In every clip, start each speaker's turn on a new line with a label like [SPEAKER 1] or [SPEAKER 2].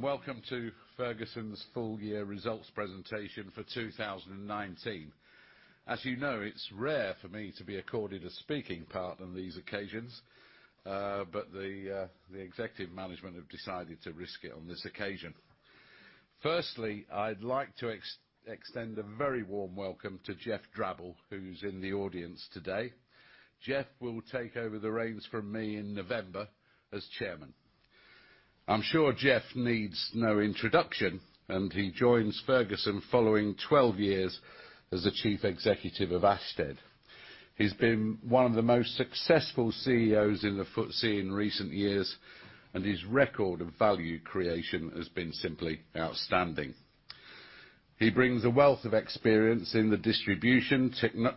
[SPEAKER 1] Welcome to Ferguson's full year results presentation for 2019. As you know, it's rare for me to be accorded a speaking part on these occasions, but the executive management have decided to risk it on this occasion. Firstly, I'd like to extend a very warm welcome to Geoff Drabble, who's in the audience today. Geoff will take over the reins from me in November as chairman. I'm sure Geoff needs no introduction, and he joins Ferguson following 12 years as the chief executive of Ashtead. He's been one of the most successful CEOs in the FTSE in recent years, and his record of value creation has been simply outstanding. He brings a wealth of experience in the distribution,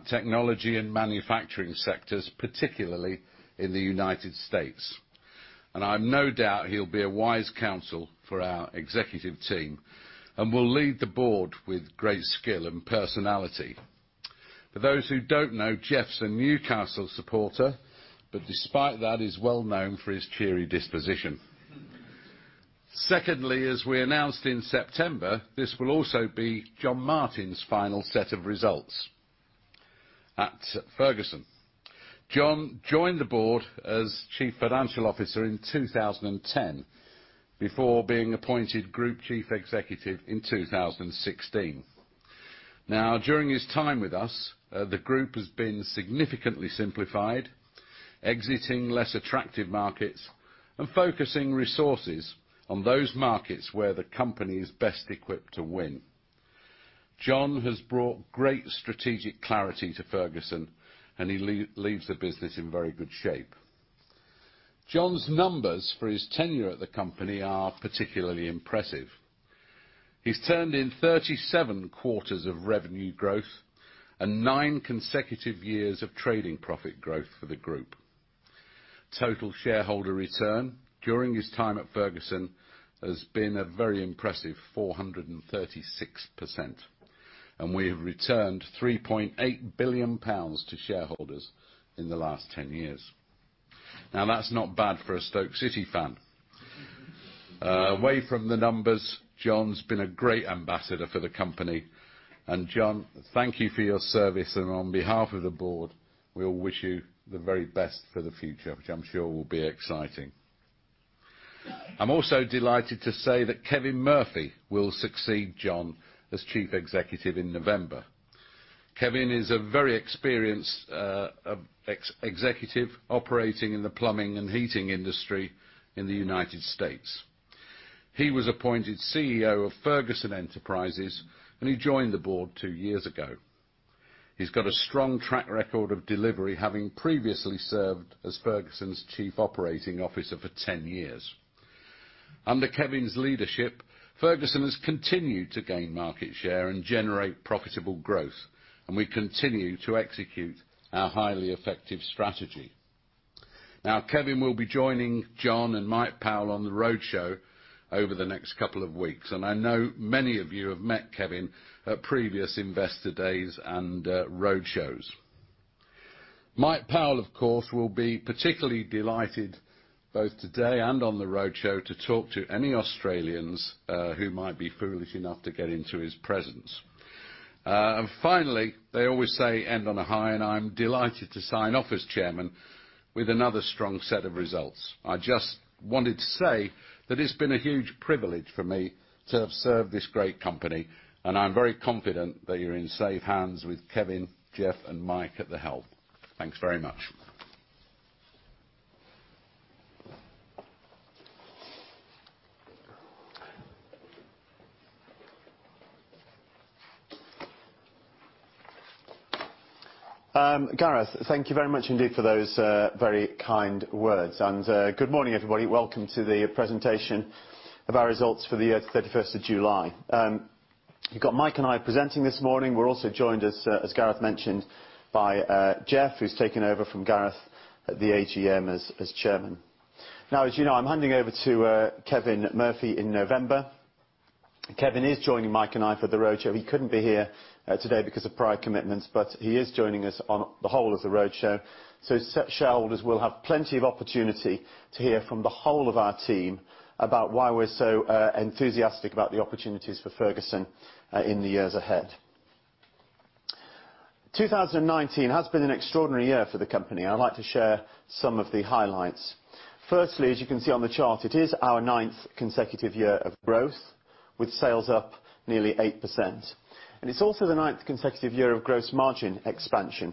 [SPEAKER 1] technology, and manufacturing sectors, particularly in the U.S. I have no doubt he'll be a wise counsel for our executive team and will lead the board with great skill and personality. For those who don't know, Geoff's a Newcastle supporter, but despite that, he's well known for his cheery disposition. Secondly, as we announced in September, this will also be John Martin's final set of results at Ferguson. John joined the board as Chief Financial Officer in 2010 before being appointed Group Chief Executive in 2016. During his time with us, the group has been significantly simplified, exiting less attractive markets and focusing resources on those markets where the company is best equipped to win. John has brought great strategic clarity to Ferguson, and he leaves the business in very good shape. John's numbers for his tenure at the company are particularly impressive. He's turned in 37 quarters of revenue growth and nine consecutive years of trading profit growth for the group. Total shareholder return during his time at Ferguson has been a very impressive 436%, and we have returned 3.8 billion pounds to shareholders in the last 10 years. Now, that's not bad for a Stoke City fan. Away from the numbers, John's been a great ambassador for the company. John, thank you for your service, and on behalf of the board, we all wish you the very best for the future, which I'm sure will be exciting. I'm also delighted to say that Kevin Murphy will succeed John as Chief Executive in November. Kevin is a very experienced executive operating in the plumbing and heating industry in the U.S. He was appointed CEO of Ferguson Enterprises, and he joined the board two years ago. He's got a strong track record of delivery, having previously served as Ferguson's chief operating officer for 10 years. Under Kevin's leadership, Ferguson has continued to gain market share and generate profitable growth, and we continue to execute our highly effective strategy. Kevin will be joining John and Mike Powell on the roadshow over the next couple of weeks, and I know many of you have met Kevin at previous investor days and roadshows. Mike Powell, of course, will be particularly delighted both today and on the roadshow to talk to any Australians who might be foolish enough to get into his presence. Finally, they always say end on a high, and I'm delighted to sign off as chairman with another strong set of results. I just wanted to say that it's been a huge privilege for me to have served this great company, and I'm very confident that you're in safe hands with Kevin, Geoff, and Mike at the helm. Thanks very much.
[SPEAKER 2] Gareth, thank you very much indeed for those very kind words. Good morning, everybody. Welcome to the presentation of our results for the year to the 31st of July. You've got Mike and I presenting this morning. We're also joined, as Gareth mentioned, by Geoff, who's taking over from Gareth at the AGM as chairman. Now, as you know, I'm handing over to Kevin Murphy in November. Kevin is joining Mike and I for the roadshow. He couldn't be here today because of prior commitments, but he is joining us on the whole of the roadshow, so shareholders will have plenty of opportunity to hear from the whole of our team about why we're so enthusiastic about the opportunities for Ferguson in the years ahead. 2019 has been an extraordinary year for the company. I'd like to share some of the highlights. Firstly, as you can see on the chart, it is our ninth consecutive year of growth, with sales up nearly 8%. It's also the ninth consecutive year of gross margin expansion,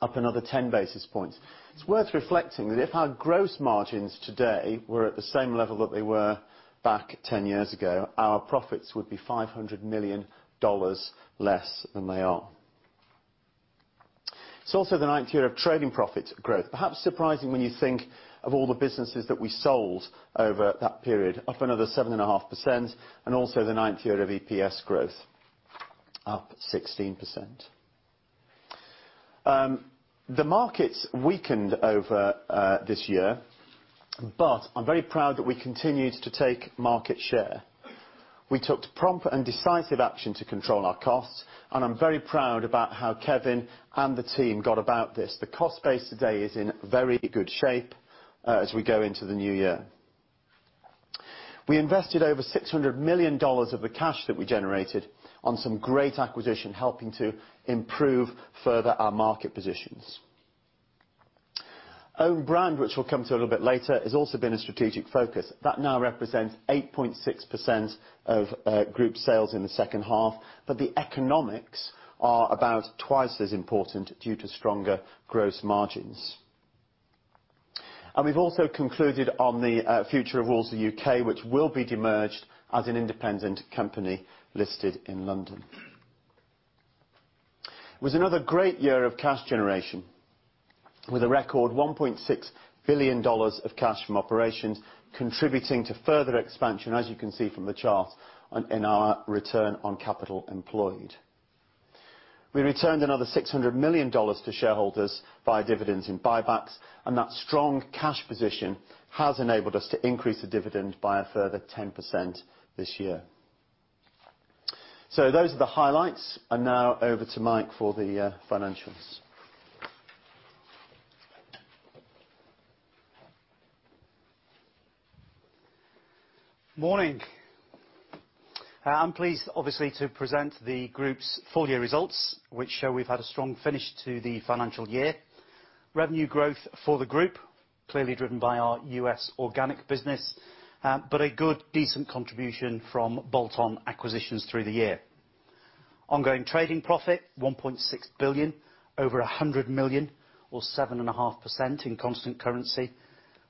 [SPEAKER 2] up another 10 basis points. It's worth reflecting that if our gross margins today were at the same level that they were back 10 years ago, our profits would be $500 million less than they are. It's also the ninth year of trading profit growth. Perhaps surprising when you think of all the businesses that we sold over that period. Up another 7.5% and also the ninth year of EPS growth, up 16%. The markets weakened over this year, but I'm very proud that we continued to take market share. We took prompt and decisive action to control our costs, and I'm very proud about how Kevin and the team got about this. The cost base today is in very good shape as we go into the new year. We invested over GBP 600 million of the cash that we generated on some great acquisition, helping to improve further our market positions. Own brand, which we'll come to a little bit later, has also been a strategic focus. That now represents 8.6% of group sales in the second half, the economics are about twice as important due to stronger gross margins. We've also concluded on the future of Wolseley UK, which will be de-merged as an independent company listed in London. It was another great year of cash generation with a record GBP 1.6 billion of cash from operations contributing to further expansion, as you can see from the chart, in our return on capital employed. We returned another GBP 600 million to shareholders via dividends and buybacks, that strong cash position has enabled us to increase the dividend by a further 10% this year. Those are the highlights. Now over to Mike for the financials.
[SPEAKER 3] Morning. I'm pleased obviously to present the group's full year results, which show we've had a strong finish to the financial year. Revenue growth for the group, clearly driven by our U.S. organic business, but a good decent contribution from bolt-on acquisitions through the year. Ongoing trading profit, 1.6 billion, over 100 million, or 7.5% in constant currency,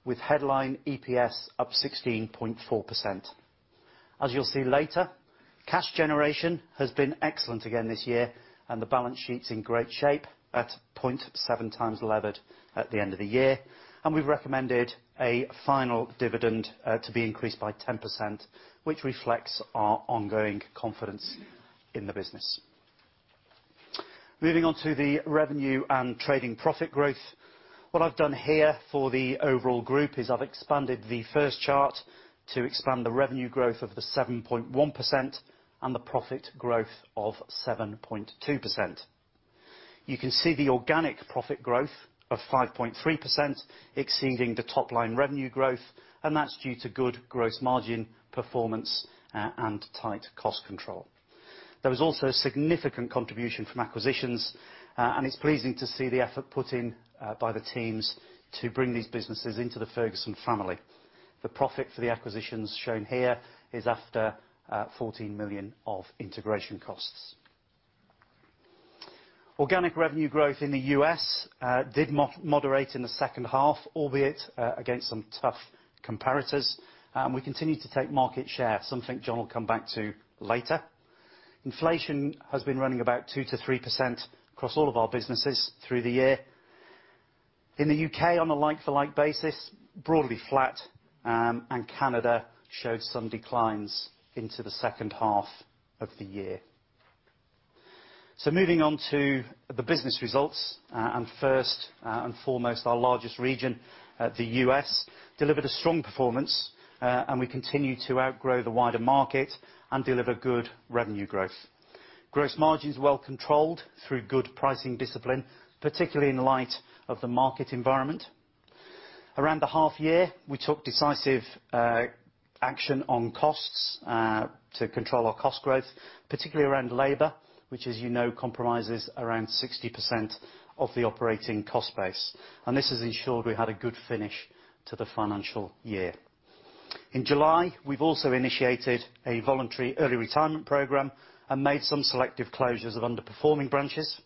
[SPEAKER 3] with headline EPS up 16.4%. As you'll see later, cash generation has been excellent again this year, and the balance sheet's in great shape at 0.7x levered at the end of the year. We've recommended a final dividend to be increased by 10%, which reflects our ongoing confidence in the business. Moving on to the revenue and trading profit growth. What I've done here for the overall group is I've expanded the first chart to expand the revenue growth of the 7.1% and the profit growth of 7.2%. You can see the organic profit growth of 5.3% exceeding the top line revenue growth. That's due to good gross margin performance and tight cost control. There was also a significant contribution from acquisitions. It's pleasing to see the effort put in by the teams to bring these businesses into the Ferguson family. The profit for the acquisitions shown here is after 14 million of integration costs. Organic revenue growth in the U.S. did moderate in the second half, albeit against some tough comparators. We continued to take market share, something John will come back to later. Inflation has been running about 2%-3% across all of our businesses through the year. In the U.K., on a like-for-like basis, broadly flat. Canada showed some declines into the second half of the year. Moving on to the business results, and first and foremost, our largest region, the U.S., delivered a strong performance, and we continue to outgrow the wider market and deliver good revenue growth. Gross margins well controlled through good pricing discipline, particularly in light of the market environment. Around the half year, we took decisive action on costs to control our cost growth, particularly around labor, which as you know comprises around 60% of the operating cost base. This has ensured we had a good finish to the financial year. In July, we've also initiated a voluntary early retirement program and made some selective closures of underperforming branches.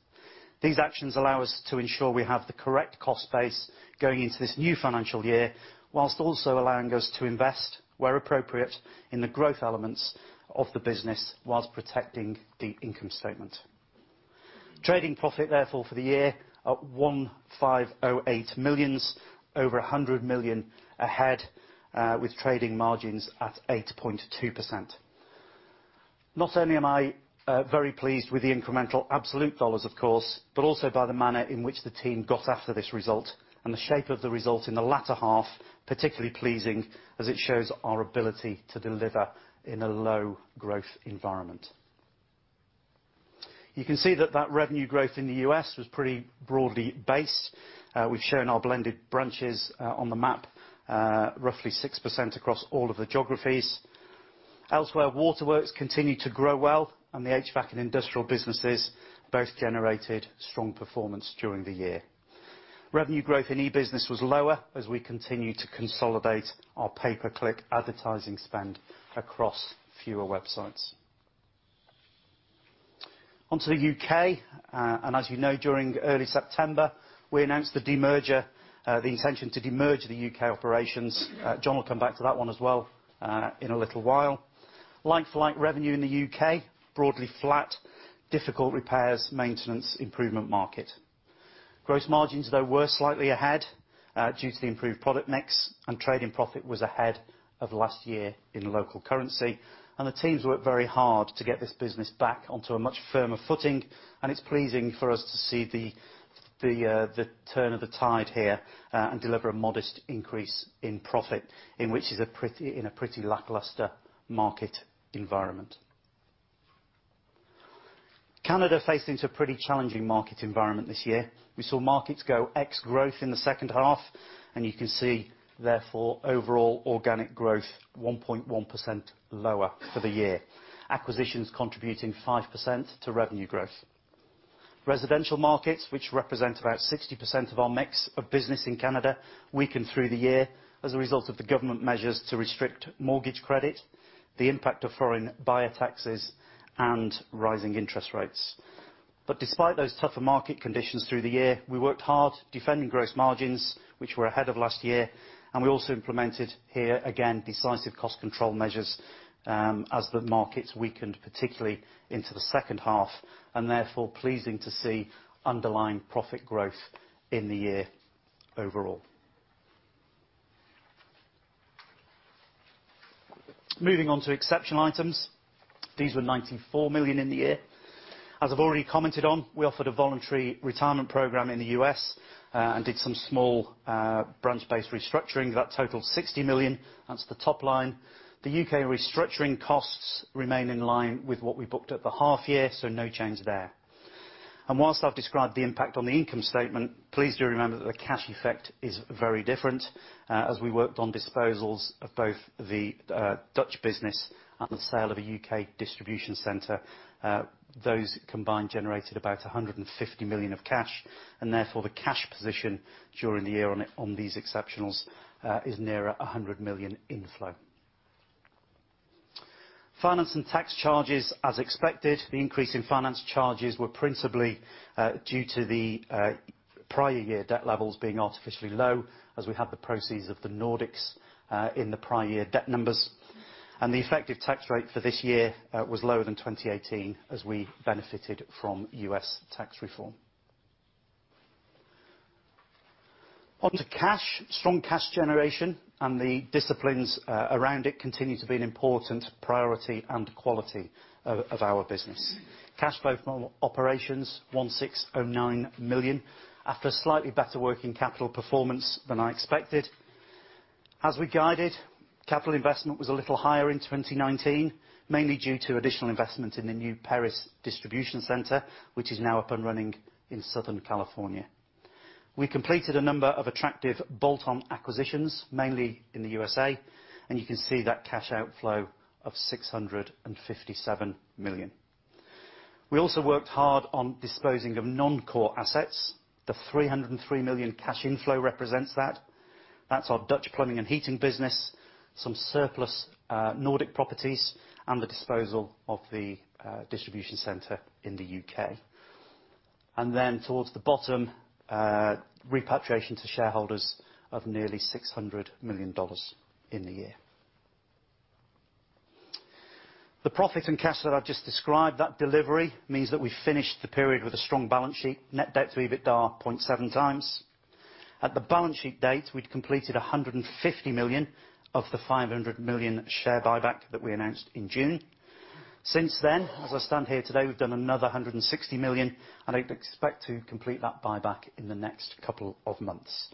[SPEAKER 3] These actions allow us to ensure we have the correct cost base going into this new financial year, whilst also allowing us to invest where appropriate in the growth elements of the business whilst protecting the income statement. Trading profit therefore for the year at 1,508 million, over 100 million ahead, with trading margins at 8.2%. Not only am I very pleased with the incremental absolute of course, but also by the manner in which the team got after this result and the shape of the result in the latter half, particularly pleasing as it shows our ability to deliver in a low growth environment. You can see that that revenue growth in the U.S. was pretty broadly base. We've shown our blended branches on the map, roughly 6% across all of the geographies. Elsewhere, Waterworks continued to grow well, and the HVAC and Industrial businesses both generated strong performance during the year. Revenue growth in eBusiness was lower as we continue to consolidate our pay-per-click advertising spend across fewer websites. Onto the U.K., as you know during early September, we announced the intention to de-merge the U.K. operations. John will come back to that one as well in a little while. Like-for-like revenue in the U.K., broadly flat, difficult repairs, maintenance, improvement market. Gross margins though were slightly ahead due to the improved product mix. Trading profit was ahead of last year in local currency. The teams worked very hard to get this business back onto a much firmer footing, and it's pleasing for us to see the turn of the tide here and deliver a modest increase in profit, in which is in a pretty lackluster market environment. Canada faced into a pretty challenging market environment this year. We saw markets go ex-growth in the second half. You can see, therefore, overall organic growth 1.1% lower for the year. Acquisitions contributing 5% to revenue growth. Residential markets, which represent about 60% of our mix of business in Canada, weakened through the year as a result of the government measures to restrict mortgage credit, the impact of foreign buyer taxes and rising interest rates. Despite those tougher market conditions through the year, we worked hard defending gross margins, which were ahead of last year, and we also implemented here, again, decisive cost control measures, as the markets weakened, particularly into the second half, and therefore pleasing to see underlying profit growth in the year overall. Moving on to exceptional items. These were 94 million in the year. As I've already commented on, we offered a voluntary retirement program in the U.S. and did some small branch-based restructuring. That totaled 60 million. That's the top line. The U.K. restructuring costs remain in line with what we booked at the half year, so no change there. Whilst I've described the impact on the income statement, please do remember that the cash effect is very different, as we worked on disposals of both the Dutch business and the sale of a U.K. distribution center. Those combined generated about 150 million of cash and therefore the cash position during the year on these exceptionals is nearer 100 million in flow. Finance and tax charges, as expected, the increase in finance charges were principally due to the prior year debt levels being artificially low as we had the proceeds of the Nordics in the prior year debt numbers. The effective tax rate for this year was lower than 2018 as we benefited from U.S. tax reform. On to cash. Strong cash generation and the disciplines around it continue to be an important priority and quality of our business. Cash flow from operations, 1,609 million after a slightly better working capital performance than I expected. As we guided, capital investment was a little higher in 2019, mainly due to additional investment in the new Perris distribution center, which is now up and running in Southern California. We completed a number of attractive bolt-on acquisitions, mainly in the U.S.A., you can see that cash outflow of 657 million. We also worked hard on disposing of non-core assets. The 303 million cash inflow represents that. That's our Dutch plumbing and heating business, some surplus Nordic properties, the disposal of the distribution center in the U.K. Towards the bottom, repatriation to shareholders of nearly GBP 600 million in the year. The profit and cash that I've just described, that delivery means that we finished the period with a strong balance sheet, net debt to EBITDA 0.7x. At the balance sheet date, we'd completed 150 million of the 500 million share buyback that we announced in June. Since then, as I stand here today, we've done another 160 million, and I expect to complete that buyback in the next couple of months.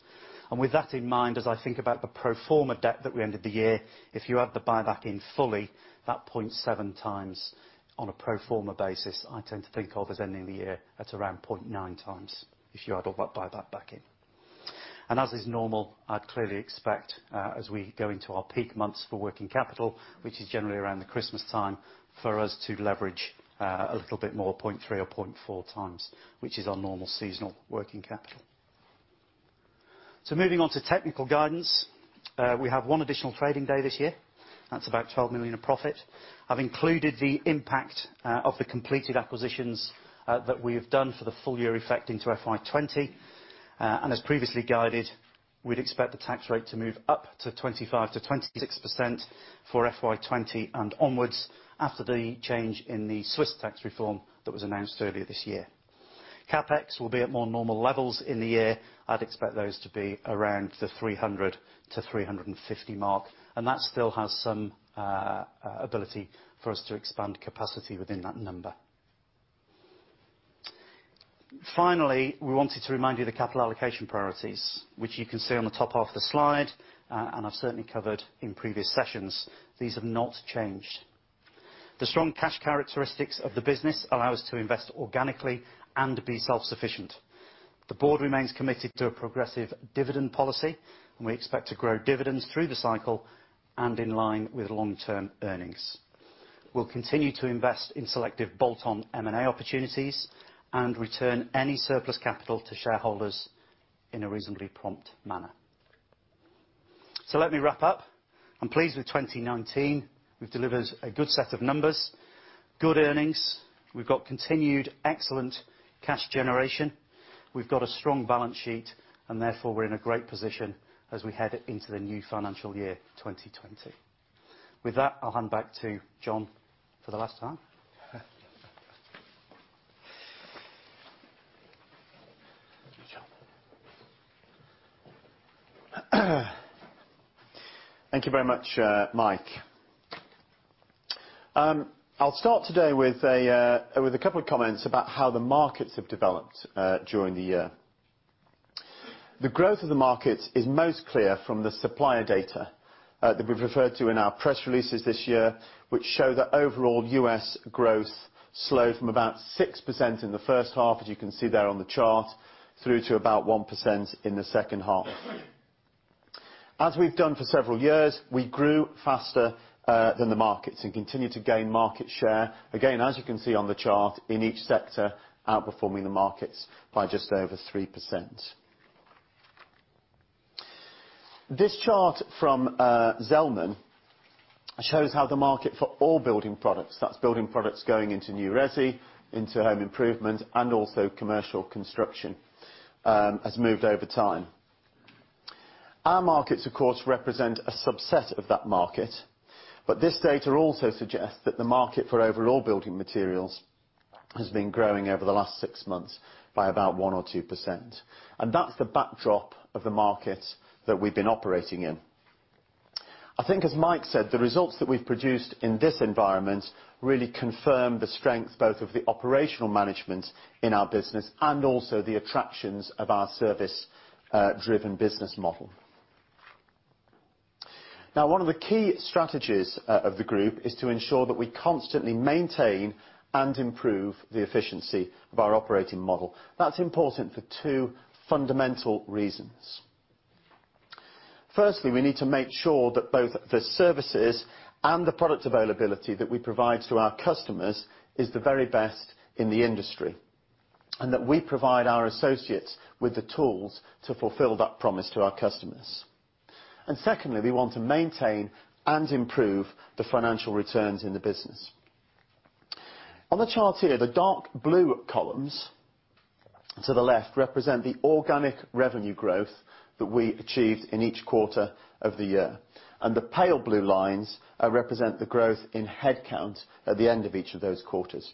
[SPEAKER 3] With that in mind, as I think about the pro forma debt that we ended the year, if you add the buyback in fully, that 0.7x on a pro forma basis, I tend to think of as ending the year at around 0.9x if you add all that buyback back in. As is normal, I'd clearly expect, as we go into our peak months for working capital, which is generally around the Christmas time, for us to leverage a little bit more, 0.3x or 0.4x, which is our normal seasonal working capital. Moving on to technical guidance. We have one additional trading day this year. That's about 12 million of profit. I've included the impact of the completed acquisitions that we have done for the full year effect into FY 2020. As previously guided, we'd expect the tax rate to move up to 25%-26% for FY 2020 and onwards after the change in the Swiss tax reform that was announced earlier this year. CapEx will be at more normal levels in the year. I'd expect those to be around the 300-350 million mark, and that still has some ability for us to expand capacity within that number. Finally, we wanted to remind you of the capital allocation priorities, which you can see on the top half of the slide, and I've certainly covered in previous sessions. These have not changed. The strong cash characteristics of the business allow us to invest organically and be self-sufficient. The board remains committed to a progressive dividend policy, and we expect to grow dividends through the cycle and in line with long-term earnings. We'll continue to invest in selective bolt-on M&A opportunities and return any surplus capital to shareholders in a reasonably prompt manner. Let me wrap up. I'm pleased with 2019. We've delivered a good set of numbers, good earnings. We've got continued excellent cash generation. We've got a strong balance sheet, and therefore we're in a great position as we head into the new financial year, 2020. With that, I'll hand back to John for the last time. John
[SPEAKER 2] Thank you very much, Mike. I'll start today with a couple of comments about how the markets have developed during the year. The growth of the markets is most clear from the supplier data that we've referred to in our press releases this year, which show that overall U.S. growth slowed from about 6% in the first half, as you can see there on the chart, through to about 1% in the second half. As we've done for several years, we grew faster than the markets and continue to gain market share, again, as you can see on the chart, in each sector outperforming the markets by just over 3%. This chart from Zelman shows how the market for all building products, that's building products going into new resi, into home improvement, and also commercial construction, has moved over time. Our markets, of course, represent a subset of that market. This data also suggests that the market for overall building materials has been growing over the last six months by about 1% or 2%. That's the backdrop of the markets that we've been operating in. I think as Mike said, the results that we've produced in this environment really confirm the strength both of the operational management in our business and also the attractions of our service-driven business model. Now, one of the key strategies of the group is to ensure that we constantly maintain and improve the efficiency of our operating model. That's important for two fundamental reasons. Firstly, we need to make sure that both the services and the product availability that we provide to our customers is the very best in the industry, and that we provide our associates with the tools to fulfill that promise to our customers. Secondly, we want to maintain and improve the financial returns in the business. On the chart here, the dark blue columns to the left represent the organic revenue growth that we achieved in each quarter of the year. The pale blue lines represent the growth in headcount at the end of each of those quarters.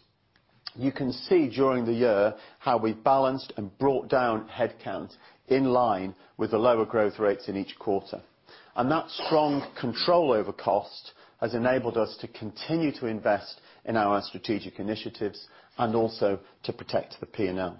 [SPEAKER 2] You can see during the year how we've balanced and brought down headcount in line with the lower growth rates in each quarter. That strong control over cost has enabled us to continue to invest in our strategic initiatives and also to protect the P&L.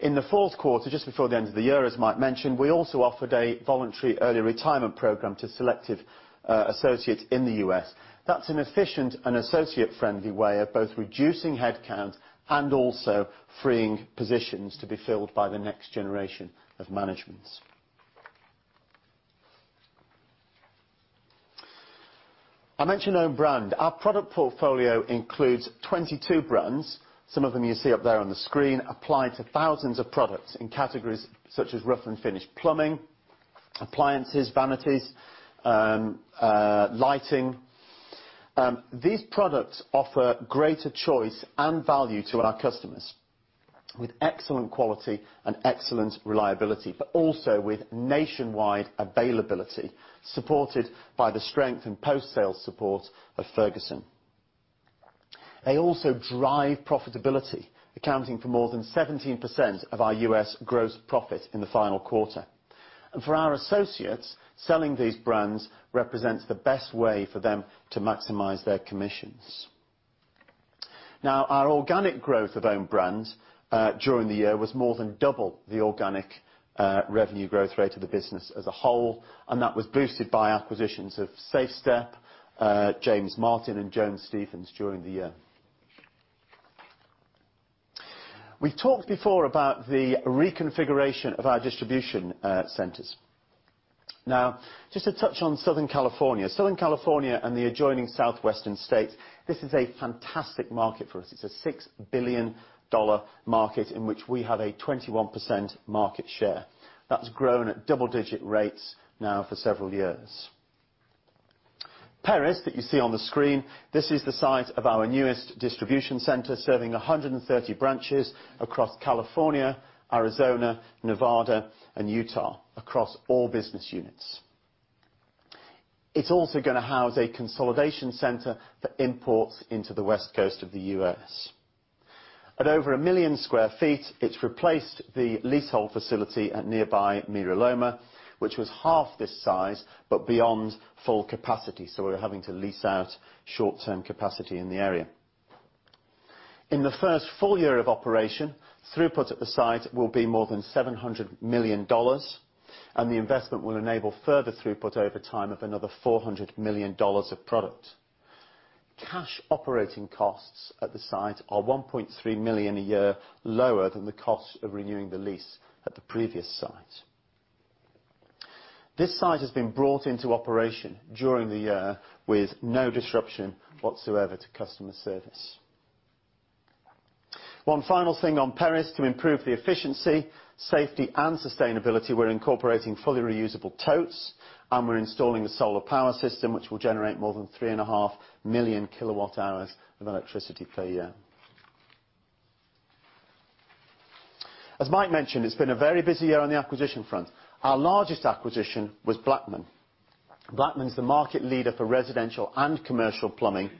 [SPEAKER 2] In the fourth quarter, just before the end of the year, as Mike mentioned, we also offered a voluntary early retirement program to selective associates in the U.S. That's an efficient and associate-friendly way of both reducing headcount and also freeing positions to be filled by the next generation of managements. I mentioned own brand. Our product portfolio includes 22 brands. Some of them you see up there on the screen, apply to thousands of products in categories such as rough and finished plumbing, appliances, vanities, lighting. These products offer greater choice and value to our customers with excellent quality and excellent reliability, also with nationwide availability, supported by the strength and post-sale support of Ferguson. They also drive profitability, accounting for more than 17% of our U.S. gross profit in the final quarter. For our associates, selling these brands represents the best way for them to maximize their commissions. Our organic growth of own brands during the year was more than double the organic revenue growth rate of the business as a whole, and that was boosted by acquisitions of Safe Step, James Martin, and Jones Stephens during the year. We've talked before about the reconfiguration of our distribution centers. Just to touch on Southern California. Southern California and the adjoining southwestern states, this is a fantastic market for us. It's a $6 billion market in which we have a 21% market share. That's grown at double-digit rates now for several years. Perris, that you see on the screen, this is the site of our newest distribution center, serving 130 branches across California, Arizona, Nevada, and Utah, across all business units. It is also going to house a consolidation center for imports into the West Coast of the U.S. At over 1 million sq ft, it has replaced the leasehold facility at nearby Mira Loma, which was half this size, but beyond full capacity, so we were having to lease out short-term capacity in the area. In the first full year of operation, throughput at the site will be more than $700 million, and the investment will enable further throughput over time of another $400 million of product. Cash operating costs at the site are $1.3 million a year lower than the cost of renewing the lease at the previous site. This site has been brought into operation during the year with no disruption whatsoever to customer service. One final thing on Perris. To improve the efficiency, safety, and sustainability, we're incorporating fully reusable totes, and we're installing a solar power system, which will generate more than 3.5 million kWh of electricity per year. As Mike mentioned, it's been a very busy year on the acquisition front. Our largest acquisition was Blackman, the market leader for residential and commercial plumbing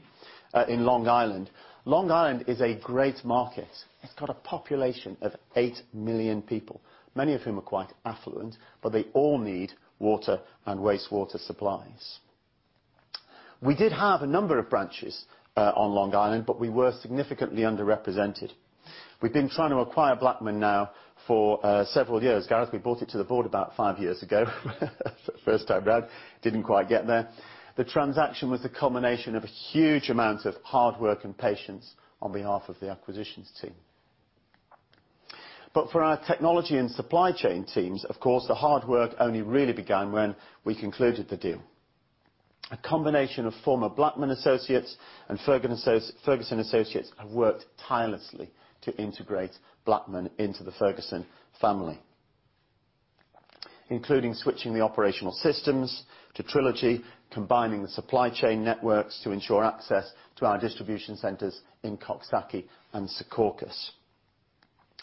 [SPEAKER 2] in Long Island. Long Island is a great market. It's got a population of 8 million people, many of whom are quite affluent, but they all need water and wastewater supplies. We did have a number of branches on Long Island, but we were significantly underrepresented. We've been trying to acquire Blackman now for several years. Gareth, we brought it to the board about five years ago the first time around. Didn't quite get there. The transaction was the culmination of a huge amount of hard work and patience on behalf of the acquisitions team. For our technology and supply chain teams, of course, the hard work only really began when we concluded the deal. A combination of former Blackman associates and Ferguson associates have worked tirelessly to integrate Blackman into the Ferguson family, including switching the operational systems to Trilogy, combining the supply chain networks to ensure access to our distribution centers in Coxsackie and Secaucus.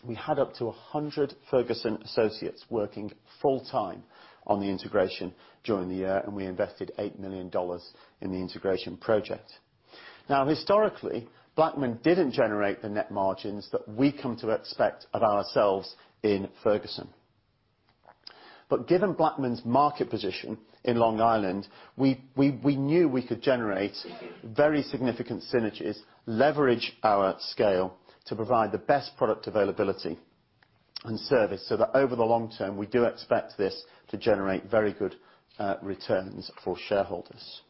[SPEAKER 2] We had up to 100 Ferguson associates working full-time on the integration during the year, and we invested $8 million in the integration project. Historically, Blackman didn't generate the net margins that we come to expect of ourselves in Ferguson. Given Blackman's market position in Long Island, we knew we could generate very significant synergies, leverage our scale to provide the best product availability and service so that over the long term, we do expect this to generate very good returns for shareholders.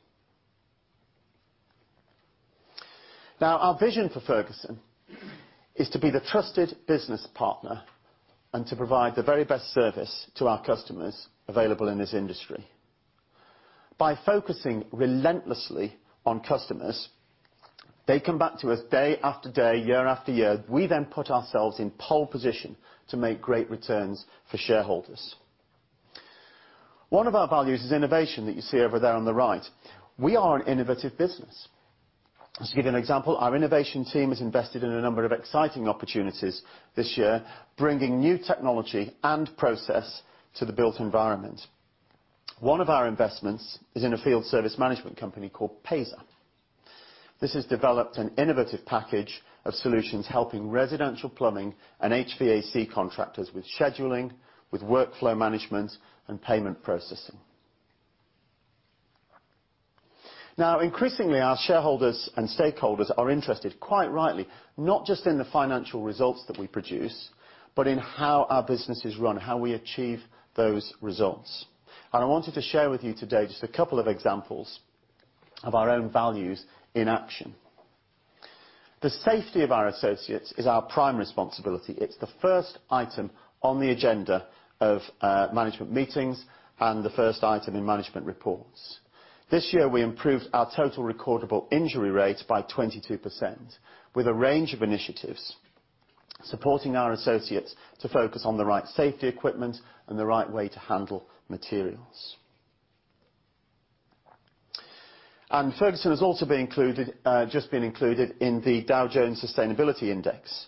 [SPEAKER 2] Our vision for Ferguson is to be the trusted business partner and to provide the very best service to our customers available in this industry. By focusing relentlessly on customers, they come back to us day after day, year after year. We put ourselves in pole position to make great returns for shareholders. One of our values is innovation that you see over there on the right. We are an innovative business. Just to give you an example, our innovation team has invested in a number of exciting opportunities this year, bringing new technology and process to the built environment. One of our investments is in a field service management company called Payzer. This has developed an innovative package of solutions helping residential plumbing and HVAC contractors with scheduling, with workflow management, and payment processing. Now, increasingly, our shareholders and stakeholders are interested, quite rightly, not just in the financial results that we produce, but in how our business is run, how we achieve those results. I wanted to share with you today just a couple of examples of our own values in action. The safety of our associates is our prime responsibility. It's the first item on the agenda of management meetings and the first item in management reports. This year, we improved our total recordable injury rate by 22%, with a range of initiatives supporting our associates to focus on the right safety equipment and the right way to handle materials. Ferguson has also just been included in the Dow Jones Sustainability Index,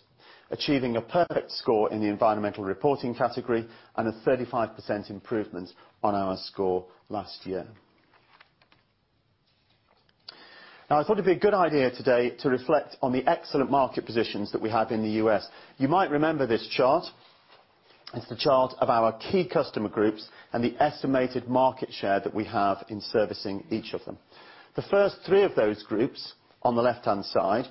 [SPEAKER 2] achieving a perfect score in the environmental reporting category and a 35% improvement on our score last year. I thought it'd be a good idea today to reflect on the excellent market positions that we have in the U.S. You might remember this chart. It's the chart of our key customer groups and the estimated market share that we have in servicing each of them. The first three of those groups, on the left-hand side,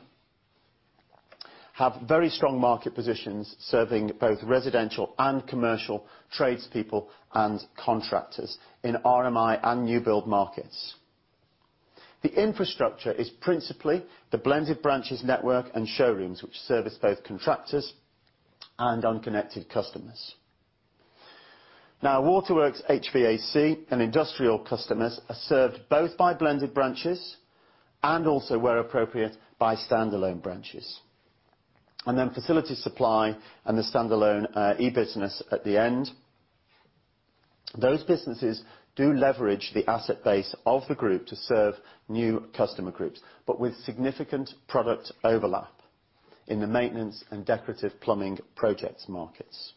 [SPEAKER 2] have very strong market positions, serving both residential and commercial tradespeople and contractors in RMI and new build markets. The infrastructure is principally the blended branches network and showrooms, which service both contractors and unconnected customers. Waterworks, HVAC, and industrial customers are served both by blended branches and also, where appropriate, by standalone branches. Facility supply and the standalone e-business at the end. Those businesses do leverage the asset base of the group to serve new customer groups, with significant product overlap in the maintenance and decorative plumbing projects markets.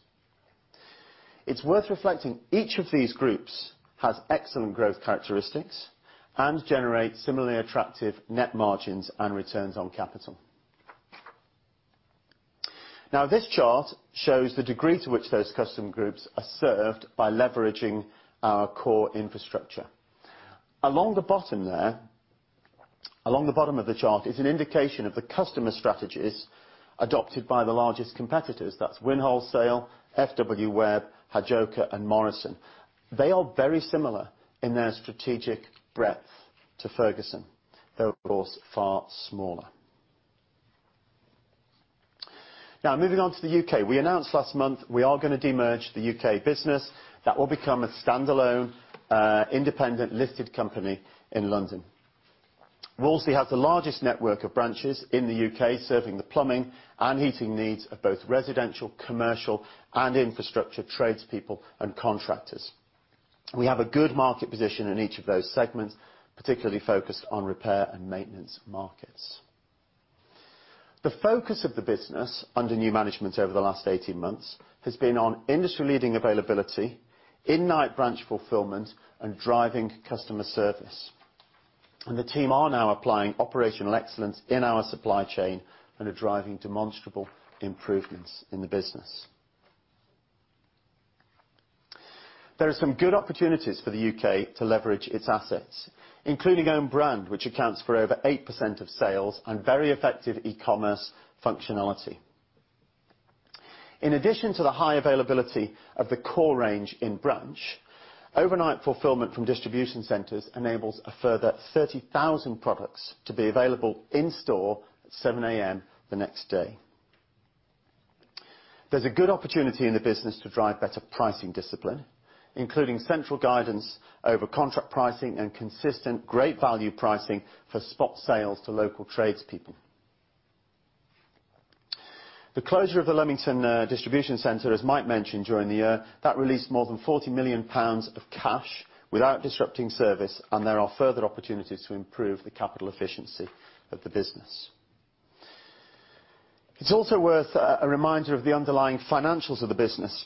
[SPEAKER 2] It's worth reflecting, each of these groups has excellent growth characteristics and generates similarly attractive net margins and returns on capital. This chart shows the degree to which those customer groups are served by leveraging our core infrastructure. Along the bottom there, along the bottom of the chart, is an indication of the customer strategies adopted by the largest competitors. That's Winsupply, F.W. Webb, Hajoca, and Morrison. They are very similar in their strategic breadth to Ferguson, though, of course, far smaller. Moving on to the U.K. We announced last month we are going to demerge the U.K. business. That will become a standalone, independent, listed company in London. Wolseley has the largest network of branches in the U.K., serving the plumbing and heating needs of both residential, commercial, and infrastructure tradespeople and contractors. We have a good market position in each of those segments, particularly focused on repair and maintenance markets. The focus of the business under new management over the last 18 months has been on industry-leading availability, in-night branch fulfillment, and driving customer service. The team are now applying operational excellence in our supply chain and are driving demonstrable improvements in the business. There are some good opportunities for the U.K. to leverage its assets, including own brand, which accounts for over 8% of sales and very effective e-commerce functionality. In addition to the high availability of the core range in branch, overnight fulfillment from distribution centers enables a further 30,000 products to be available in store at 7:00 A.M. the next day. There's a good opportunity in the business to drive better pricing discipline, including central guidance over contract pricing and consistent great value pricing for spot sales to local tradespeople. The closure of the Leamington distribution center, as Mike mentioned during the year, that released more than 40 million pounds of cash without disrupting service. There are further opportunities to improve the capital efficiency of the business. It's also worth a reminder of the underlying financials of the business.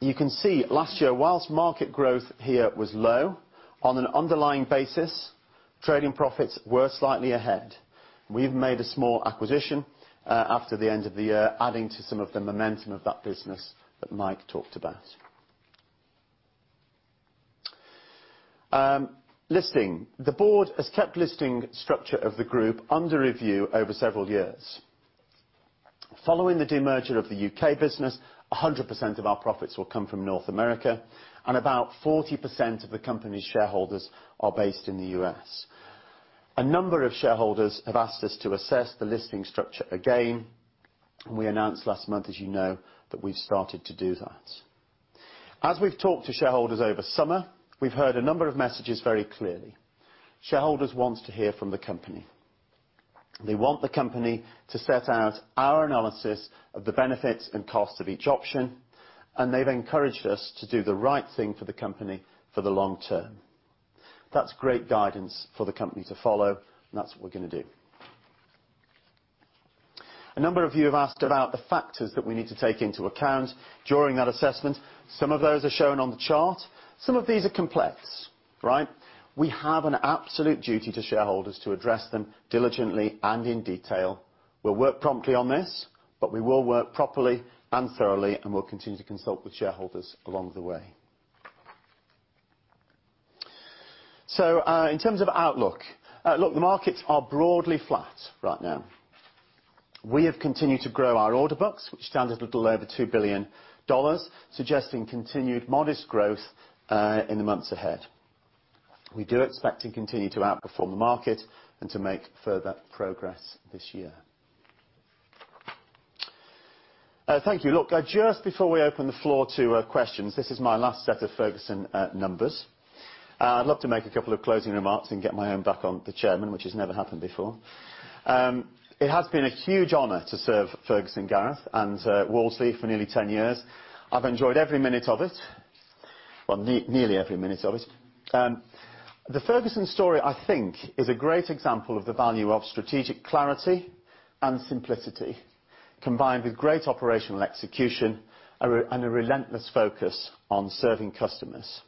[SPEAKER 2] You can see last year, whilst market growth here was low, on an underlying basis, trading profits were slightly ahead. We've made a small acquisition after the end of the year, adding to some of the momentum of that business that Mike talked about. Listing. The board has kept listing structure of the group under review over several years. Following the demerger of the U.K. business, 100% of our profits will come from North America, and about 40% of the company's shareholders are based in the U.S. A number of shareholders have asked us to assess the listing structure again. We announced last month, as you know, that we've started to do that. As we've talked to shareholders over summer, we've heard a number of messages very clearly. Shareholders want to hear from the company. They want the company to set out our analysis of the benefits and cost of each option, and they've encouraged us to do the right thing for the company for the long term. That's great guidance for the company to follow, and that's what we're going to do. A number of you have asked about the factors that we need to take into account during that assessment. Some of those are shown on the chart. Some of these are complex, right? We have an absolute duty to shareholders to address them diligently and in detail. We'll work promptly on this, but we will work properly and thoroughly, and we'll continue to consult with shareholders along the way. In terms of outlook. Look, the markets are broadly flat right now. We have continued to grow our order books, which stand at a little over $2 billion, suggesting continued modest growth, in the months ahead. We do expect to continue to outperform the market and to make further progress this year. Thank you. Just before we open the floor to questions, this is my last set of Ferguson numbers. I'd love to make a couple of closing remarks and get my own back on the Chairman, which has never happened before. It has been a huge honor to serve Ferguson, Gareth, and Wolseley for nearly 10 years. I've enjoyed every minute of it. Well, nearly every minute of it. The Ferguson story, I think, is a great example of the value of strategic clarity and simplicity, combined with great operational execution and a relentless focus on serving customers,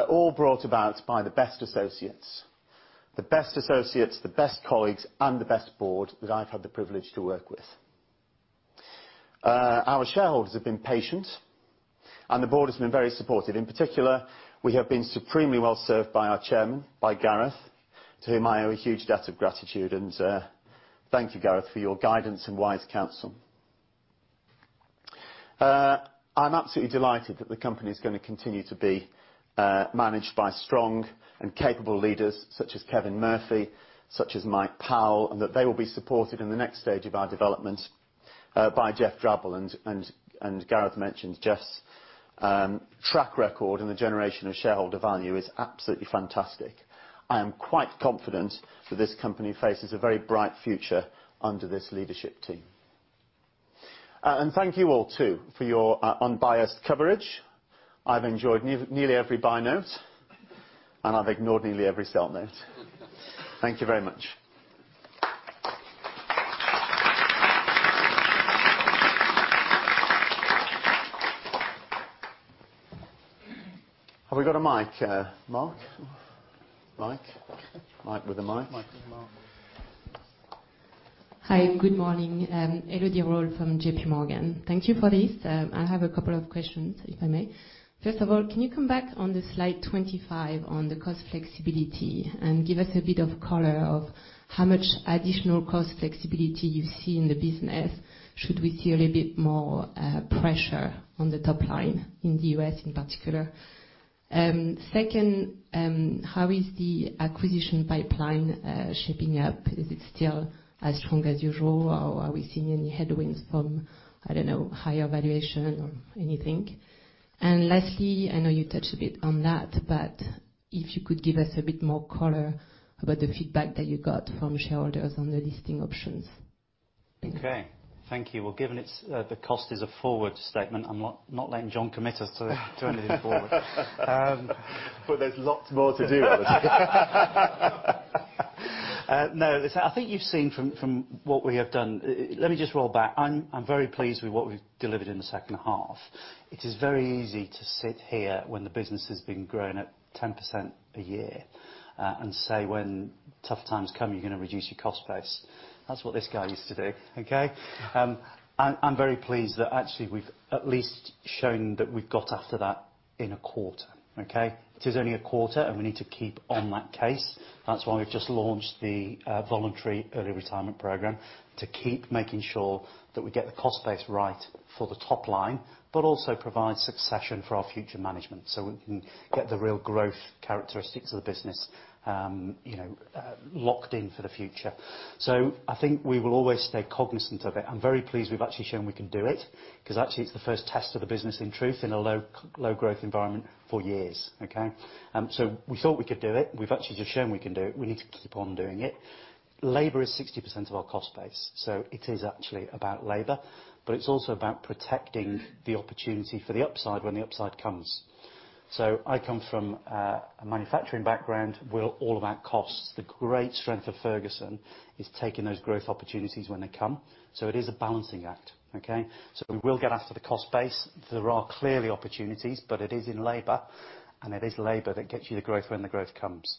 [SPEAKER 2] all brought about by the best associates. The best associates, the best colleagues, and the best board that I've had the privilege to work with. Our shareholders have been patient. The board has been very supportive. In particular, we have been supremely well served by our chairman, by Gareth, to whom I owe a huge debt of gratitude. Thank you, Gareth, for your guidance and wise counsel. I'm absolutely delighted that the company is going to continue to be managed by strong and capable leaders such as Kevin Murphy, such as Mike Powell, and that they will be supported in the next stage of our development by Geoff Drabble. Gareth mentioned Geoff's track record in the generation of shareholder value is absolutely fantastic. I am quite confident that this company faces a very bright future under this leadership team. Thank you all, too, for your unbiased coverage. I've enjoyed nearly every buy note and I've ignored nearly every sell note. Thank you very much. Have we got a mic, Mark? Mike? Mike with the mic. Mike with Mark.
[SPEAKER 4] Hi, good morning. Elo die Rall from JPMorgan. Thank you for this. I have a couple of questions, if I may. First of all, can you come back on the slide 25 on the cost flexibility and give us a bit of color of how much additional cost flexibility you see in the business should we see a little bit more pressure on the top line in the U.S. in particular? Second, how is the acquisition pipeline shaping up? Is it still as strong as usual, or are we seeing any headwinds from, I don't know, higher valuation or anything? Lastly, I know you touched a bit on that, but if you could give us a bit more color about the feedback that you got from shareholders on the listing options.
[SPEAKER 3] Okay. Thank you. Well, given the cost is a forward statement, I'm not letting John commit us to anything forward.
[SPEAKER 2] There's lots more to do.
[SPEAKER 3] I think you've seen from what we have done. Let me just roll back. I'm very pleased with what we've delivered in the second half. It is very easy to sit here when the business has been growing at 10% a year, and say when tough times come, you're going to reduce your cost base. That's what this guy used to do. Okay. I'm very pleased that actually we've at least shown that we've got after that in a quarter. Okay. It is only a quarter, and we need to keep on that case. That's why we've just launched the voluntary early retirement program to keep making sure that we get the cost base right for the top line, but also provide succession for our future management, so we can get the real growth characteristics of the business locked in for the future. I think we will always stay cognizant of it. I'm very pleased we've actually shown we can do it, because actually it's the first test of the business, in truth, in a low growth environment for years. Okay. We thought we could do it. We've actually just shown we can do it. We need to keep on doing it. Labor is 60% of our cost base, so it is actually about labor, but it's also about protecting the opportunity for the upside when the upside comes. I come from a manufacturing background. We're all about costs. The great strength of Ferguson is taking those growth opportunities when they come. It is a balancing act. Okay. We will get after the cost base. There are clearly opportunities, but it is in labor, and it is labor that gets you the growth when the growth comes.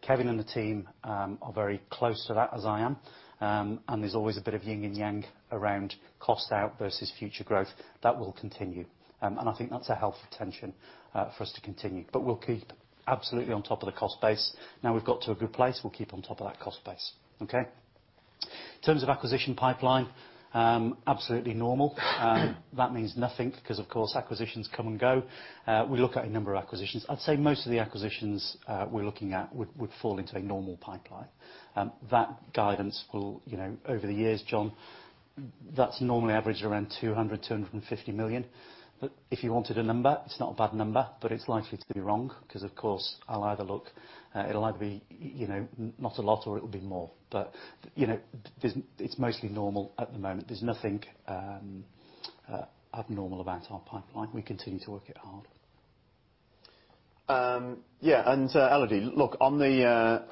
[SPEAKER 3] Kevin and the team are very close to that as I am. There's always a bit of yin and yang around cost out versus future growth. That will continue. I think that's a healthy tension for us to continue. We'll keep absolutely on top of the cost base. Now we've got to a good place. We'll keep on top of that cost base. Okay? In terms of acquisition pipeline, absolutely normal. That means nothing because, of course, acquisitions come and go. We look at a number of acquisitions. I'd say most of the acquisitions we're looking at would fall into a normal pipeline. That guidance will over the years, John, that's normally averaged around 200-250 million. If you wanted a number, it's not a bad number, but it's likely to be wrong because, of course, it'll either be not a lot or it'll be more. It's mostly normal at the moment. There's nothing abnormal about our pipeline. We continue to work it hard.
[SPEAKER 2] Yeah. Elodie, look, on the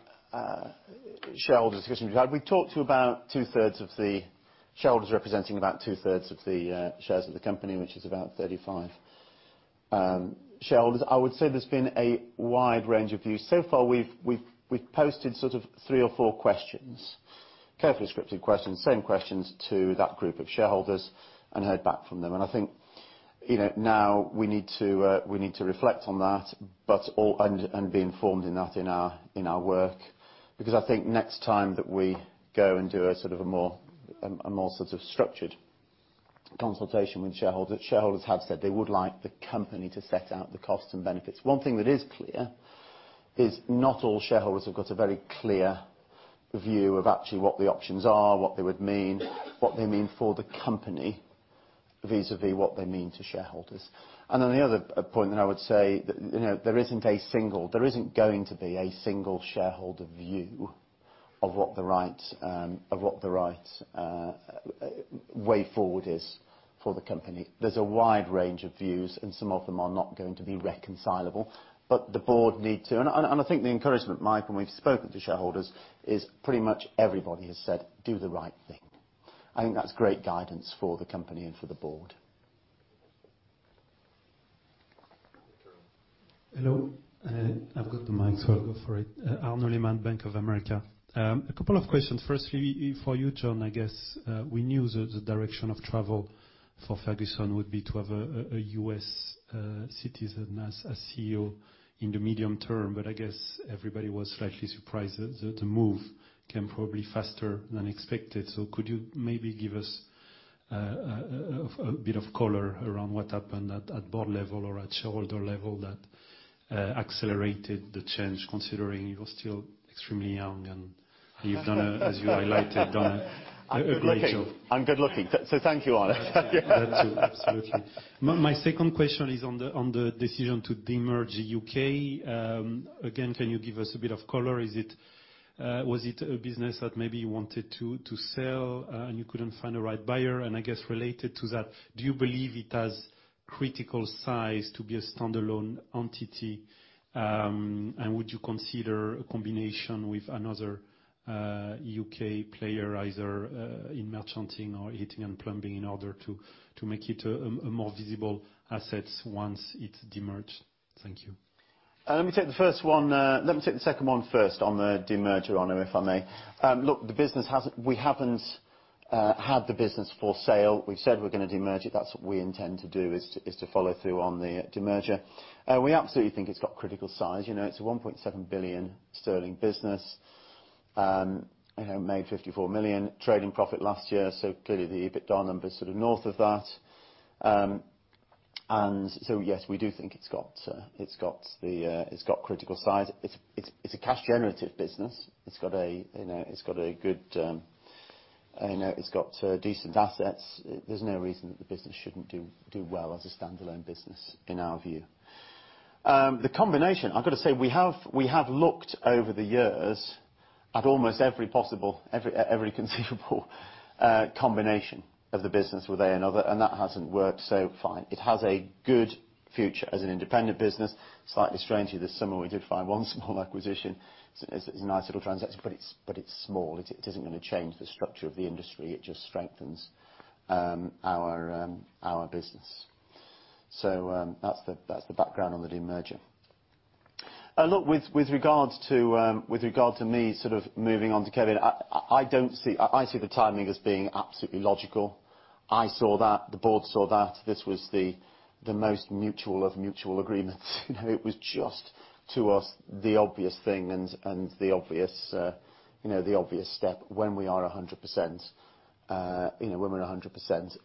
[SPEAKER 2] shareholders discussion we've had, we've talked to about two-thirds of the shareholders representing about two-thirds of the shares of the company, which is about 35 shareholders. I would say there's been a wide range of views. Far, we've posted sort of three or four questions, carefully scripted questions, same questions to that group of shareholders and heard back from them. I think now we need to reflect on that and be informed in that in our work, because I think next time that we go and do a more sort of structured consultation with shareholders have said they would like the company to set out the costs and benefits. One thing that is clear is not all shareholders have got a very clear view of actually what the options are, what they would mean, what they mean for the company, vis-à-vis what they mean to shareholders. The other point that I would say, there isn't going to be a single shareholder view of what the right way forward is for the company. There's a wide range of views, and some of them are not going to be reconcilable, but the board need to. I think the encouragement, Mike, when we've spoken to shareholders is pretty much everybody has said, "Do the right thing." I think that's great guidance for the company and for the board.
[SPEAKER 5] Hello. I've got the mic, so I'll go for it. Arnaud Lehmann, Bank of America. A couple of questions. Firstly, for you, John, I guess, we knew the direction of travel for Ferguson would be to have a U.S. citizen as CEO in the medium term, I guess everybody was slightly surprised that the move came probably faster than expected. Could you maybe give us a bit of color around what happened at board level or at shareholder level that accelerated the change, considering you're still extremely young and you've done, as you highlighted, a great job.
[SPEAKER 2] I'm good-looking. Thank you, Arnaud.
[SPEAKER 5] That too. Absolutely. My second question is on the decision to de-merge U.K. Can you give us a bit of color? Was it a business that maybe you wanted to sell, and you couldn't find the right buyer? I guess related to that, do you believe it has critical size to be a standalone entity? Would you consider a combination with another U.K. player, either in merchanting or heating and plumbing in order to make it a more visible asset once it's de-merged? Thank you.
[SPEAKER 2] Let me take the second one first on the de-merger, Arnaud, if I may. Look, we haven't had the business for sale. We've said we're going to de-merge it. That's what we intend to do, is to follow through on the de-merger. We absolutely think it's got critical size. It's a 1.7 billion sterling business, made 54 million trading profit last year. Clearly, the EBITDA number's sort of north of that. Yes, we do think it's got critical size. It's a cash generative business. It's got decent assets. There's no reason that the business shouldn't do well as a standalone business in our view. The combination, I've got to say, we have looked over the years at almost every possible, every conceivable combination of the business with A and other, and that hasn't worked, so fine. It has a good future as an independent business. Slightly strangely, this summer, we did find one small acquisition. It's a nice little transaction, but it's small. It isn't going to change the structure of the industry. It just strengthens our business. That's the background on the de-merger. Look, with regard to me sort of moving on to Kevin, I see the timing as being absolutely logical. I saw that. The board saw that. This was the most mutual of mutual agreements. It was just, to us, the obvious thing and the obvious step when we are 100%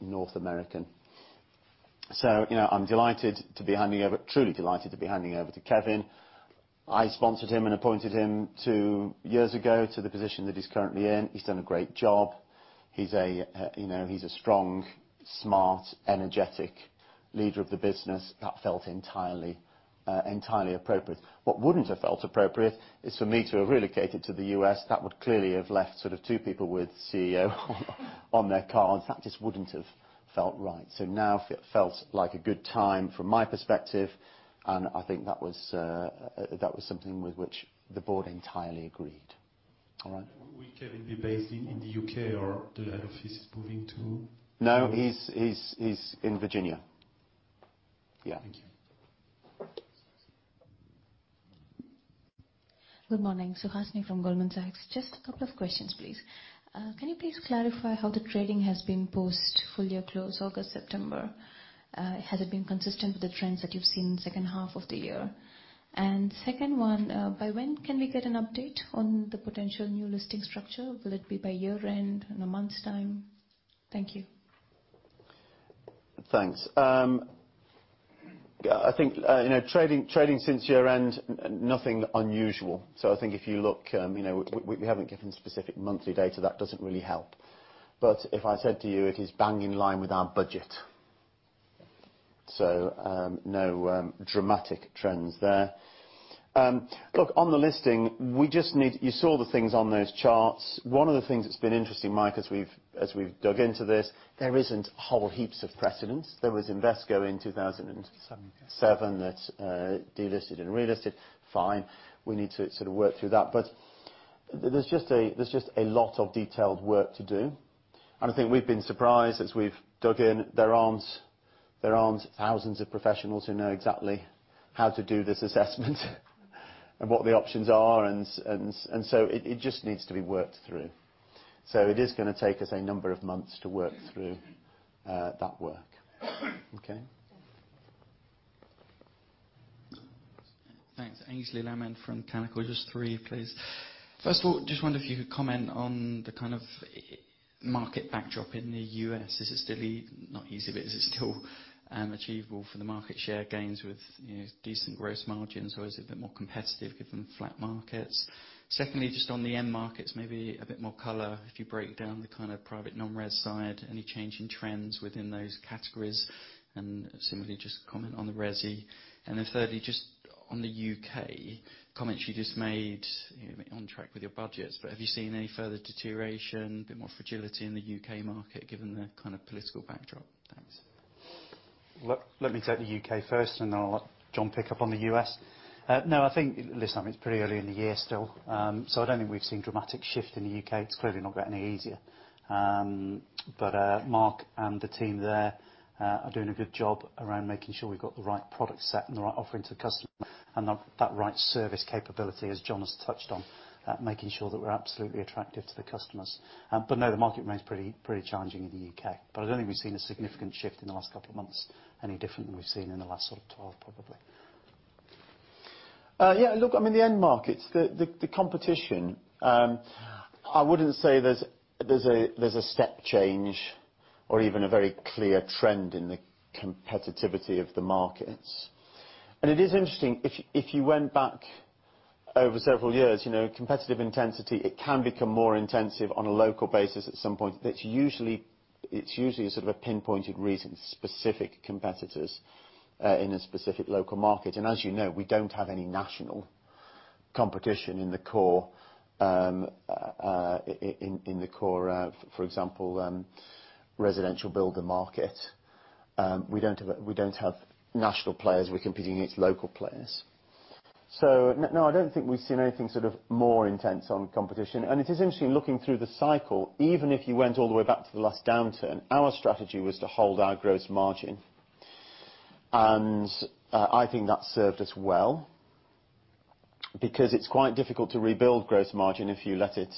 [SPEAKER 2] North American. I'm truly delighted to be handing over to Kevin. I sponsored him and appointed him two years ago to the position that he's currently in. He's done a great job. He's a strong, smart, energetic leader of the business. That felt entirely appropriate. What wouldn't have felt appropriate is for me to have relocated to the U.S. That would clearly have left two people with CEO on their cards. That just wouldn't have felt right. Now, it felt like a good time from my perspective, and I think that was something with which the Board entirely agreed. All right?
[SPEAKER 5] Will Kevin be based in the U.K. or the head office is moving too?
[SPEAKER 2] No, he's in Virginia. Yeah.
[SPEAKER 5] Thank you.
[SPEAKER 6] Good morning. Suhasini from Goldman Sachs. Just a couple of questions, please. Can you please clarify how the trading has been post-full-year close August, September? Has it been consistent with the trends that you've seen second half of the year? Second one, by when can we get an update on the potential new listing structure? Will it be by year-end? In a month's time? Thank you.
[SPEAKER 2] Thanks. I think trading since year-end, nothing unusual. I think if you look, we haven't given specific monthly data. That doesn't really help. If I said to you, it is bang in line with our budget. No dramatic trends there. Look, on the listing, you saw the things on those charts. One of the things that's been interesting, Mike, as we've dug into this, there isn't whole heaps of precedents. There was Invesco in 2007 that delisted and relisted, fine. We need to sort of work through that. There's just a lot of detailed work to do, and I think we've been surprised as we've dug in. There aren't thousands of professionals who know exactly how to do this assessment and what the options are. It just needs to be worked through. It is going to take us a number of months to work through that work. Okay?
[SPEAKER 7] Thanks. Aynsley Lammin from Canaccord. Just three, please. First of all, just wonder if you could comment on the kind of market backdrop in the U.S. Is it still achievable for the market share gains with decent gross margins, or is it a bit more competitive given flat markets? Secondly, just on the end markets, maybe a bit more color if you break down the kind of private non-res side. Any change in trends within those categories? Similarly, just comment on the resi. Thirdly, just on the U.K. comment you just made, on track with your budgets. Have you seen any further deterioration, a bit more fragility in the U.K. market given the kind of political backdrop? Thanks.
[SPEAKER 3] Let me take the U.K. first, and I'll let John pick up on the U.S. I think, listen, it's pretty early in the year still. I don't think we've seen dramatic shift in the U.K. It's clearly not got any easier. Mark and the team there are doing a good job around making sure we've got the right product set and the right offering to the customer and that right service capability, as John has touched on, making sure that we're absolutely attractive to the customers. The market remains pretty challenging in the U.K. I don't think we've seen a significant shift in the last couple of months, any different than we've seen in the last sort of 12, probably.
[SPEAKER 2] Yeah, look, the end markets, the competition, I wouldn't say there's a step change or even a very clear trend in the competitivity of the markets. It is interesting. If you went back over several years, competitive intensity, it can become more intensive on a local basis at some point. It's usually sort of a pinpointed reason, specific competitors in a specific local market. As you know, we don't have any national competition in the core, for example, residential builder market. We don't have national players we're competing against local players. No, I don't think we've seen anything sort of more intense on competition. It is interesting looking through the cycle, even if you went all the way back to the last downturn, our strategy was to hold our gross margin. I think that served us well because it's quite difficult to rebuild gross margin if you let it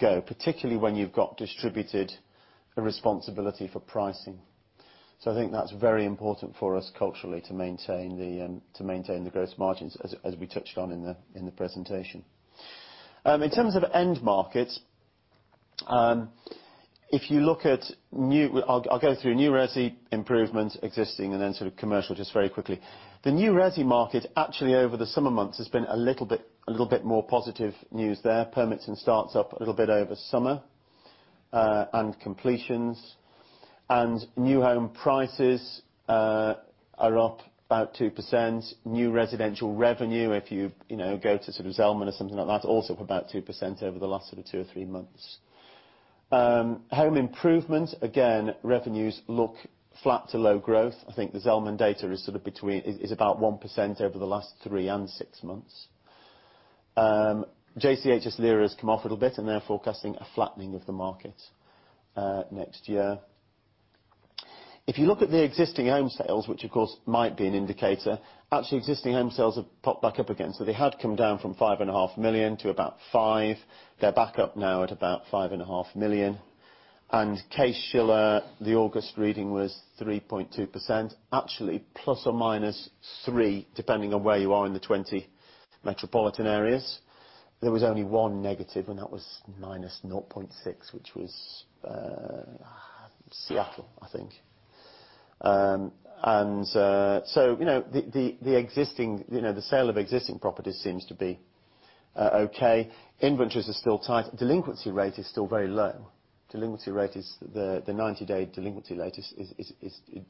[SPEAKER 2] go, particularly when you've got distributed responsibility for pricing. I think that's very important for us culturally to maintain the gross margins, as we touched on in the presentation. In terms of end markets, I'll go through new resi improvements existing and then sort of commercial just very quickly. The new resi market actually over the summer months has been a little bit more positive news there. Permits and starts up a little bit over summer. Completions. New home prices are up about 2%. New residential revenue, if you go to Zelman or something like that, also up about 2% over the last sort of two or three months. Home improvement, again, revenues look flat to low growth. I think the Zelman data is about 1% over the last three and six months. JCHS has come off a little bit, they're forecasting a flattening of the market next year. If you look at the existing home sales, which of course might be an indicator, actually existing home sales have popped back up again. They had come down from $5.5 million to about $5 million. They're back up now at about $5.5 million. Case-Shiller, the August reading was 3.2%, actually ±3%, depending on where you are in the 20 metropolitan areas. There was only one negative, and that was -0.6%, which was Seattle, I think. The sale of existing properties seems to be okay. Inventories are still tight. Delinquency rate is still very low. The 90-day delinquency rate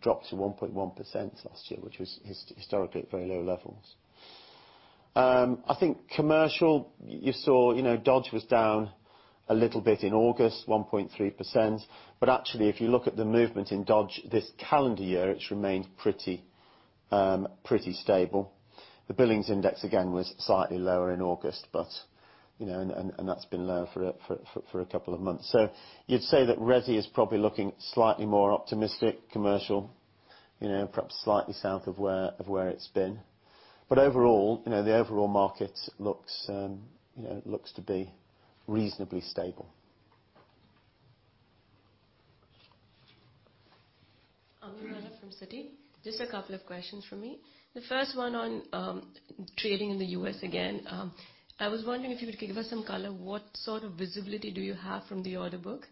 [SPEAKER 2] dropped to 1.1% last year, which was historically at very low levels. I think commercial, you saw Dodge was down a little bit in August, 1.3%. Actually, if you look at the movement in Dodge this calendar year, it's remained pretty stable. The billings index, again, was slightly lower in August. That's been low for a couple of months. You'd say that resi is probably looking slightly more optimistic, commercial, perhaps slightly south of where it's been. Overall, the overall market looks to be reasonably stable.
[SPEAKER 8] Amrina from Citi. Just a couple of questions from me. The first one on trading in the U.S. again. I was wondering if you could give us some color, what sort of visibility do you have from the order book?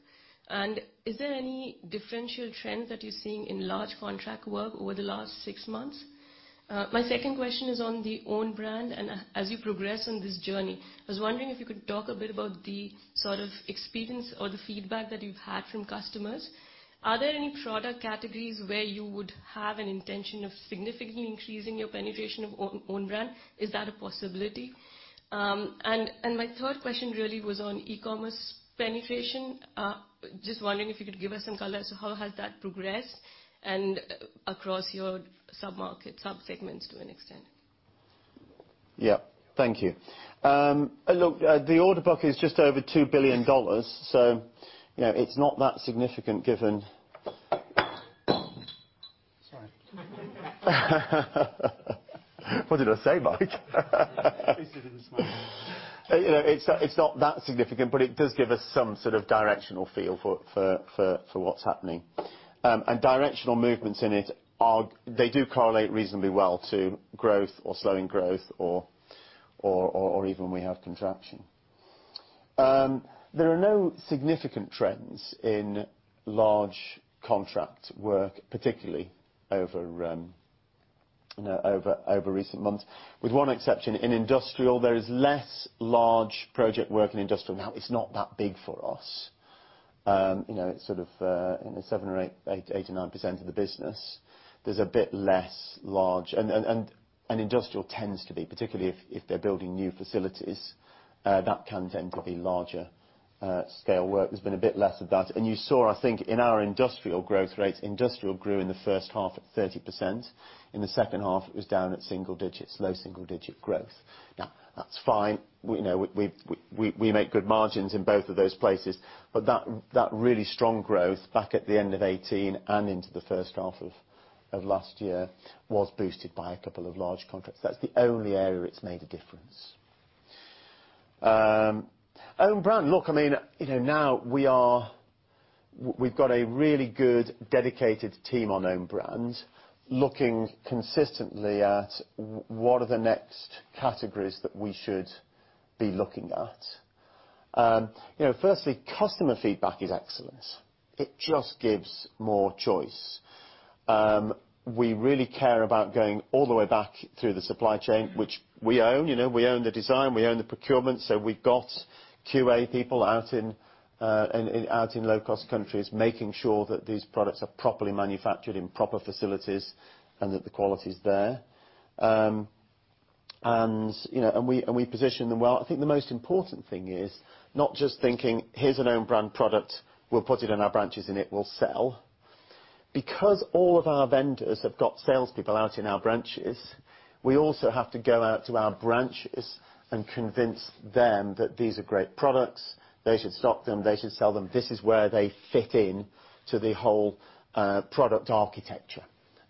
[SPEAKER 8] Is there any differential trends that you're seeing in large contract work over the last six months? My second question is on the own brand, as you progress on this journey, I was wondering if you could talk a bit about the sort of experience or the feedback that you've had from customers. Are there any product categories where you would have an intention of significantly increasing your penetration of own brand? Is that a possibility? My third question really was on e-commerce penetration. Just wondering if you could give us some color as to how has that progressed and across your sub-segments to an extent.
[SPEAKER 2] Yeah. Thank you. Look, the order book is just over $2 billion. It's not that significant given What did I say, Mike?
[SPEAKER 3] I said it was small.
[SPEAKER 2] It's not that significant, but it does give us some sort of directional feel for what's happening. Directional movements in it, they do correlate reasonably well to growth or slowing growth or even we have contraction. There are no significant trends in large contract work, particularly over recent months, with one exception. In industrial, there is less large project work in industrial. It's not that big for us. It's sort of 7% or 8%-9% of the business. There's a bit less large. Industrial tends to be, particularly if they're building new facilities, that can tend to be larger scale work. There's been a bit less of that. You saw, I think, in our industrial growth rates, industrial grew in the first half at 30%. In the second half, it was down at single digits, low single-digit growth. That's fine. We make good margins in both of those places, that really strong growth back at the end of 2018 and into the first half of last year was boosted by a couple of large contracts. That's the only area it's made a difference. Own brand, look, now we've got a really good, dedicated team on own brands looking consistently at what are the next categories that we should be looking at. Firstly, customer feedback is excellent. It just gives more choice. We really care about going all the way back through the supply chain, which we own. We own the design, we own the procurement, we've got QA people out in low-cost countries, making sure that these products are properly manufactured in proper facilities and that the quality's there. We position them well. I think the most important thing is not just thinking, here's an own brand product. We'll put it in our branches, and it will sell. Because all of our vendors have got salespeople out in our branches, we also have to go out to our branches and convince them that these are great products. They should stock them. They should sell them. This is where they fit into the whole product architecture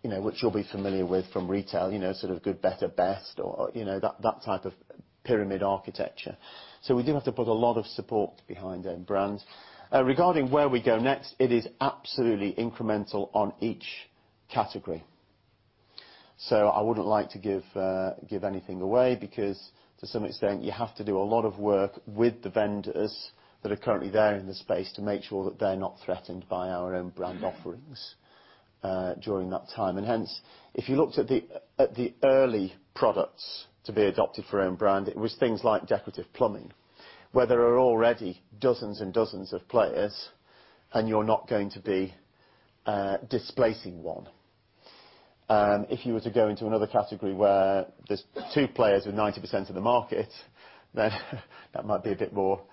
[SPEAKER 2] which you'll be familiar with from retail, sort of good, better, best or that type of pyramid architecture. We do have to put a lot of support behind own brands. Regarding where we go next, it is absolutely incremental on each category. I wouldn't like to give anything away because, to some extent, you have to do a lot of work with the vendors that are currently there in the space to make sure that they're not threatened by our own brand offerings during that time. If you looked at the early products to be adopted for own brand, it was things like decorative plumbing, where there are already dozens and dozens of players, and you're not going to be displacing one. If you were to go into another category where there's two players with 90% of the market, then that might be a bit more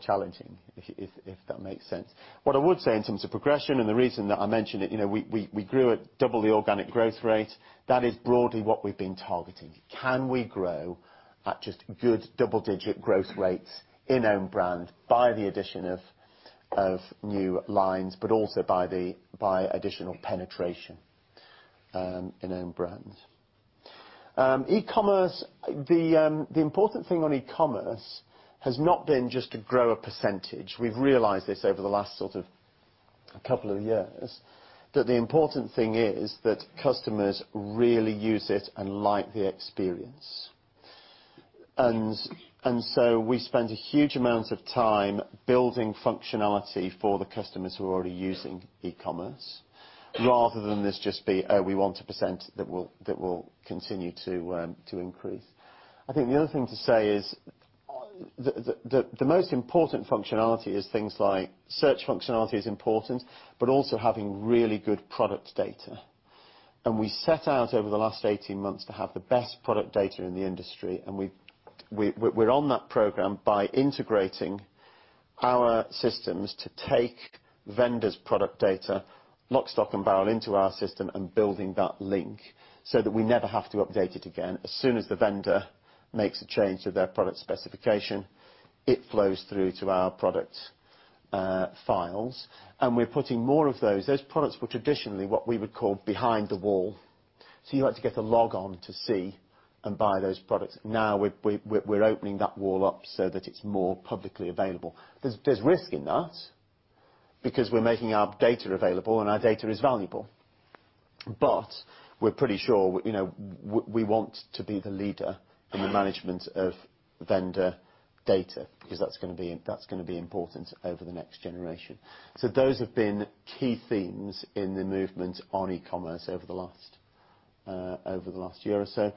[SPEAKER 2] challenging, if that makes sense. What I would say in terms of progression and the reason that I mention it, we grew at double the organic growth rate. That is broadly what we've been targeting. Can we grow at just good double-digit growth rates in own brand by the addition of new lines, but also by additional penetration in own brand? E-commerce, the important thing on e-commerce has not been just to grow a percentage. We've realized this over the last couple of years, that the important thing is that customers really use it and like the experience. We spent a huge amount of time building functionality for the customers who are already using e-commerce, rather than this just be, oh, we want a percent that will continue to increase. I think the other thing to say is, the most important functionality is things like search functionality is important, but also having really good product data. We set out over the last 18 months to have the best product data in the industry, and we're on that program by integrating our systems to take vendors' product data, lock, stock, and barrel into our system and building that link so that we never have to update it again. As soon as the vendor makes a change to their product specification, it flows through to our product files. We're putting more of those. Those products were traditionally what we would call behind the wall. You had to get a log on to see and buy those products. Now we're opening that wall up so that it's more publicly available. There's risk in that, because we're making our data available and our data is valuable. We're pretty sure we want to be the leader in the management of vendor data, because that's going to be important over the next generation. Those have been key themes in the movement on e-commerce over the last year or so.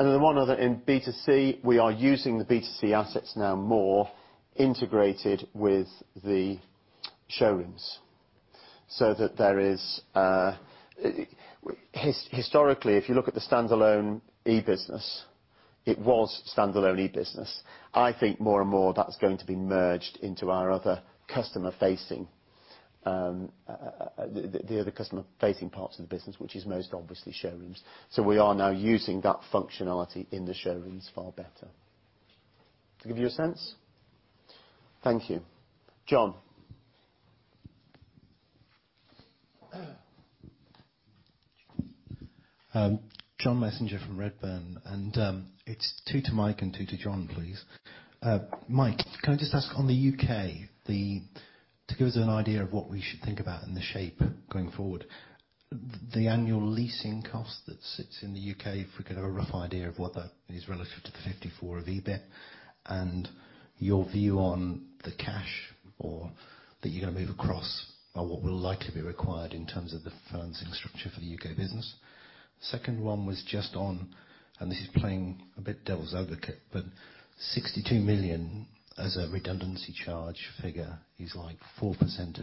[SPEAKER 2] One other, in B2C, we are using the B2C assets now more integrated with the showrooms. Historically, if you look at the standalone e-business, it was standalone e-business. I think more and more that's going to be merged into the other customer-facing parts of the business, which is most obviously showrooms. We are now using that functionality in the showrooms far better. To give you a sense? Thank you. John.
[SPEAKER 9] John Messenger from Redburn. It's two to Mike and two to John, please. Mike, can I just ask on the U.K., to give us an idea of what we should think about and the shape going forward, the annual leasing cost that sits in the U.K., if we could have a rough idea of what that is relative to the 54 of EBIT? Your view on the cash or that you're going to move across, or what will likely be required in terms of the financing structure for the U.K. business. Second one was just on, this is playing a bit devil's advocate, 62 million as a redundancy charge figure is like 4%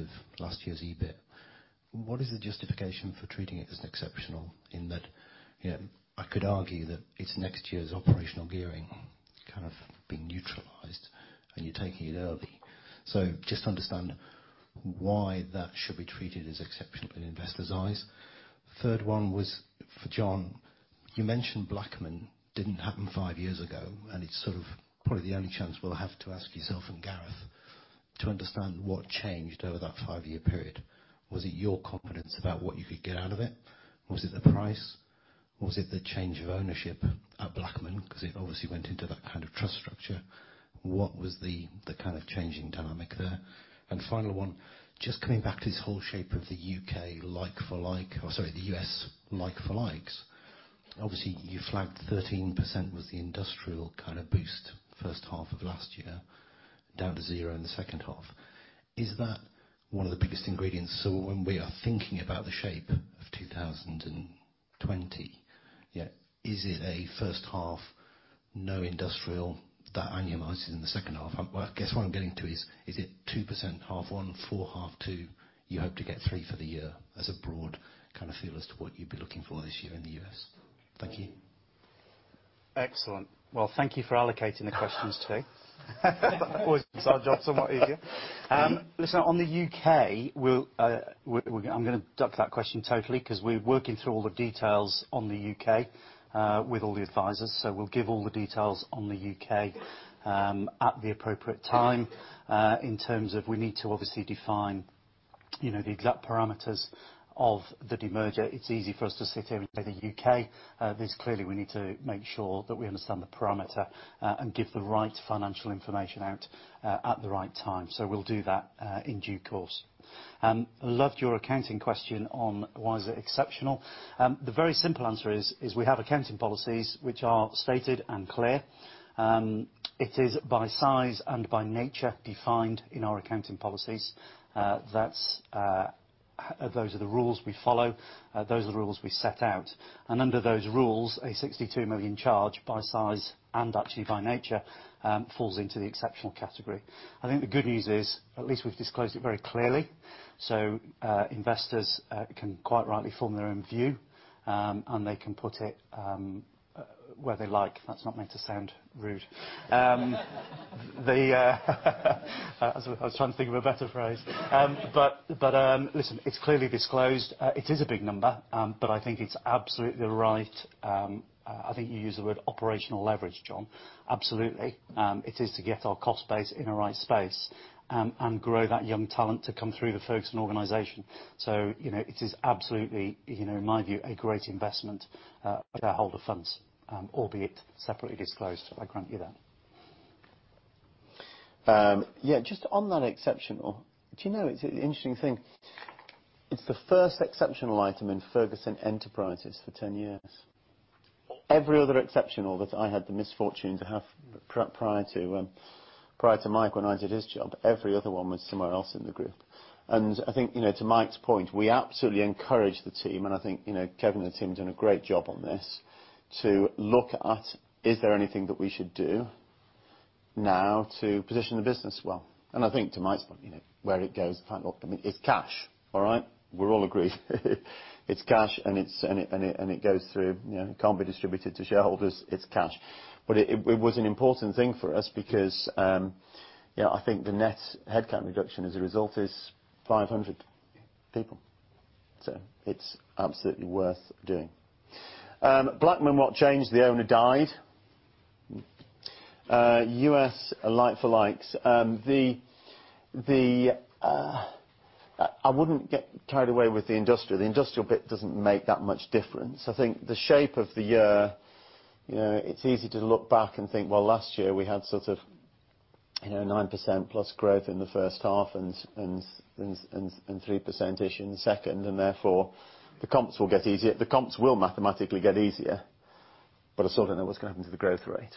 [SPEAKER 9] of last year's EBIT. What is the justification for treating it as exceptional, in that I could argue that it's next year's operational gearing kind of being neutralized and you're taking it early. Just to understand why that should be treated as exceptional in investors' eyes. Third one was for John. You mentioned Blackman didn't happen five years ago, and it's sort of probably the only chance we'll have to ask yourself and Gareth to understand what changed over that five-year period. Was it your confidence about what you could get out of it? Was it the price? Was it the change of ownership at Blackman? It obviously went into that kind of trust structure. What was the changing dynamic there? Final one, just coming back to this whole shape of the U.K. like-for-like, or sorry, the U.S. like-for-likes. Obviously, you flagged 13% was the industrial kind of boost first half of last year, down to zero in the second half. Is that one of the biggest ingredients? When we are thinking about the shape of 2020, is it a first half, no industrial that annualized in the second half? I guess what I am getting to is it 2% half one, 4% half two, you hope to get 3% for the year as a broad kind of feel as to what you would be looking for this year in the U.S.? Thank you.
[SPEAKER 3] Excellent. Well, thank you for allocating the questions too.
[SPEAKER 2] Always makes our job so much easier.
[SPEAKER 3] Listen, on the U.K., I'm going to duck that question totally because we're working through all the details on the U.K., with all the advisors. We'll give all the details on the U.K., at the appropriate time. In terms of we need to obviously define the exact parameters of the demerger. It's easy for us to sit here and say the U.K. This clearly we need to make sure that we understand the parameter, and give the right financial information out at the right time. We'll do that, in due course. Loved your accounting question on why is it exceptional. The very simple answer is we have accounting policies which are stated and clear. It is by size and by nature defined in our accounting policies. Those are the rules we follow. Those are the rules we set out. Under those rules, a 62 million charge by size, and actually by nature, falls into the exceptional category. I think the good news is at least we've disclosed it very clearly, so investors can quite rightly form their own view, and they can put it where they like. That's not meant to sound rude. I was trying to think of a better phrase. Listen, it's clearly disclosed. It is a big number. I think you used the word operational leverage, John. Absolutely. It is to get our cost base in the right space, and grow that young talent to come through the Ferguson organization. It is absolutely, in my view, a great investment of our shareholder funds, albeit separately disclosed. I grant you that.
[SPEAKER 2] Just on that exceptional. Do you know, it's an interesting thing. It's the first exceptional item in Ferguson Enterprises for 10 years. Every other exceptional that I had the misfortune to have prior to Mike, when I did his job, every other one was somewhere else in the group. I think, to Mike's point, we absolutely encourage the team, and I think Kevin and the team have done a great job on this, to look at is there anything that we should do now to position the business well? I think to Mike's point, where it goes, it's cash. All right? We're all agreed. It's cash, and it can't be distributed to shareholders. It's cash. It was an important thing for us because, I think the net headcount reduction as a result is 500 people. It's absolutely worth doing. Blackman, what changed? The owner died. U.S. like-for-likes. I wouldn't get carried away with the industrial. The industrial bit doesn't make that much difference. I think the shape of the year, it's easy to look back and think, well, last year we had 9%-plus growth in the first half and 3%-ish in the second. Therefore, the comps will mathematically get easier. I still don't know what's going to happen to the growth rate.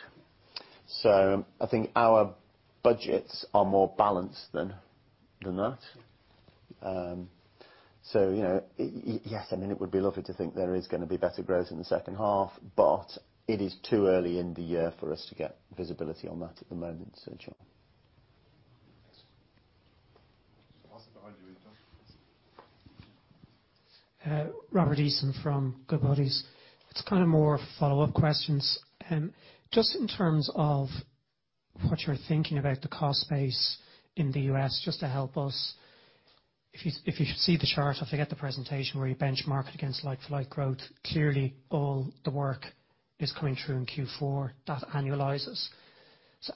[SPEAKER 2] I think our budgets are more balanced than that. Yes, it would be lovely to think there is going to be better growth in the second half, but it is too early in the year for us to get visibility on that at the moment, Sir John.
[SPEAKER 9] Thanks.
[SPEAKER 3] Just behind you, Eason.
[SPEAKER 10] Robert Eason from Goodbody. It's kind of more follow-up questions. Just in terms of what you're thinking about the cost base in the U.S., just to help us. If you see the chart, if I get the presentation where you benchmarked against like-for-like growth, clearly all the work is coming through in Q4. That annualizes.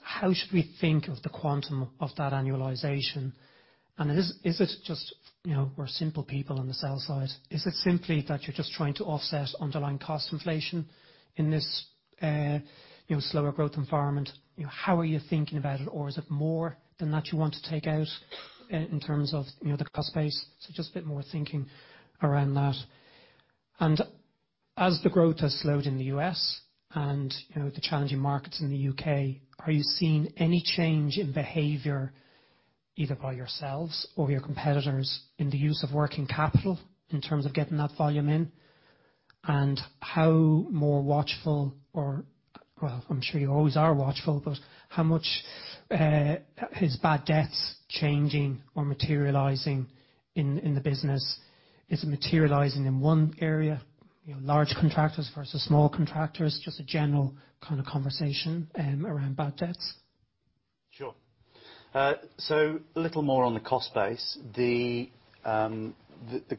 [SPEAKER 10] How should we think of the quantum of that annualization? We're simple people on the sell side. Is it simply that you're just trying to offset underlying cost inflation in this slower growth environment? How are you thinking about it? Is it more than that you want to take out in terms of the cost base? Just a bit more thinking around that. As the growth has slowed in the U.S. and with the challenging markets in the U.K., are you seeing any change in behavior, either by yourselves or your competitors in the use of working capital in terms of getting that volume in? How more watchful or Well, I'm sure you always are watchful, but how much is bad debts changing or materializing in the business? Is it materializing in one area, large contractors versus small contractors? Just a general kind of conversation around bad debts.
[SPEAKER 3] Sure. A little more on the cost base. The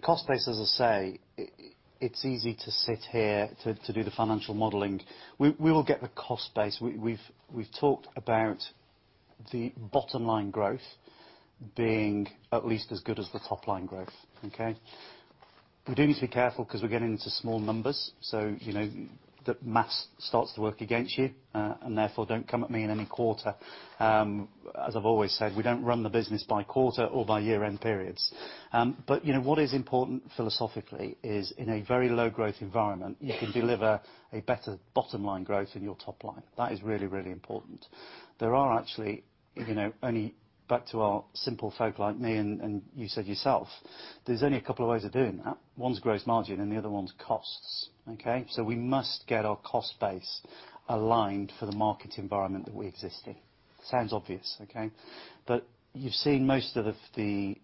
[SPEAKER 3] cost base, as I say, it's easy to sit here to do the financial modeling. We will get the cost base. We've talked about the bottom-line growth being at least as good as the top-line growth. Okay. We do need to be careful because we're getting into small numbers. The mass starts to work against you, and therefore, don't come at me in any quarter. As I've always said, we don't run the business by quarter or by year-end periods. What is important philosophically is in a very low growth environment, you can deliver a better bottom-line growth than your top-line. That is really, really important. There are actually only, back to our simple folk like me and you said yourself, there's only a couple of ways of doing that. One is gross margin and the other one's costs. Okay? We must get our cost base aligned for the market environment that we exist in. Sounds obvious, okay? You've seen most of the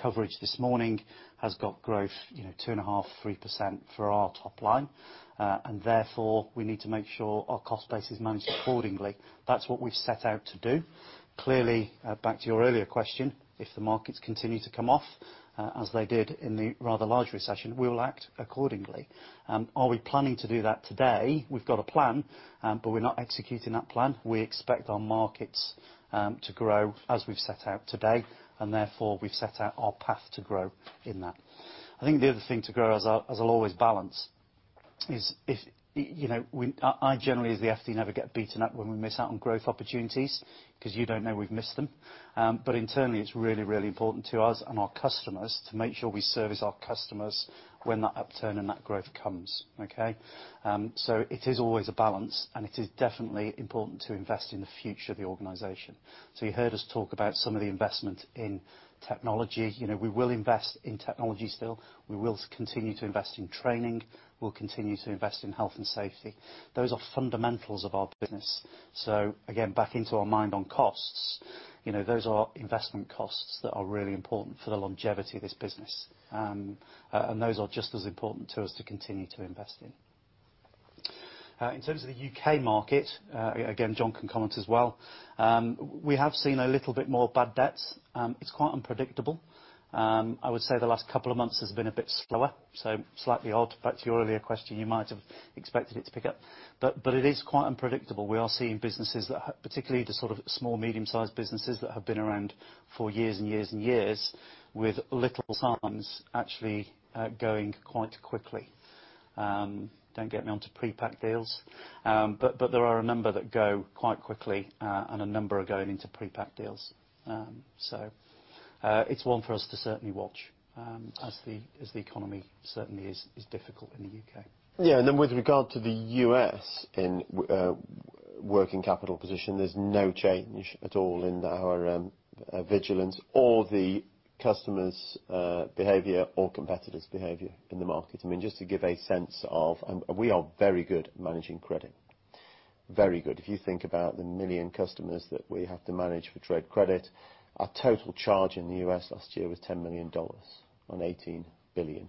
[SPEAKER 3] coverage this morning has got growth 2.5%, 3% for our top line. Therefore, we need to make sure our cost base is managed accordingly. That's what we've set out to do. Clearly, back to your earlier question, if the markets continue to come off, as they did in the rather large recession, we will act accordingly. Are we planning to do that today? We've got a plan, but we're not executing that plan. We expect our markets to grow as we've set out today, and therefore, we've set out our path to grow in that. I think the other thing to grow, as I'll always balance, is I generally as the FD never get beaten up when we miss out on growth opportunities because you don't know we've missed them. Internally, it's really, really important to us and our customers to make sure we service our customers when that upturn and that growth comes. Okay? It is always a balance, and it is definitely important to invest in the future of the organization. You heard us talk about some of the investment in technology. We will invest in technology still. We will continue to invest in training. We'll continue to invest in health and safety. Those are fundamentals of our business. Again, back into our mind on costs. Those are investment costs that are really important for the longevity of this business. Those are just as important to us to continue to invest in. In terms of the U.K. market, again, John can comment as well, we have seen a little bit more bad debts. It's quite unpredictable. I would say the last couple of months has been a bit slower, so slightly odd. Back to your earlier question, you might have expected it to pick up, but it is quite unpredictable. We are seeing businesses that, particularly the small medium-sized businesses that have been around for years and years and years, with little signs, actually going quite quickly. Don't get me onto pre-pack deals. There are a number that go quite quickly, and a number are going into pre-pack deals. It's one for us to certainly watch, as the economy certainly is difficult in the U.K.
[SPEAKER 2] Yeah. Then with regard to the U.S. in working capital position, there's no change at all in our vigilance or the customers' behavior or competitors' behavior in the market. Just to give a sense of, we are very good at managing credit. Very good. If you think about the million customers that we have to manage for trade credit, our total charge in the U.S. last year was $10 million on $18 billion.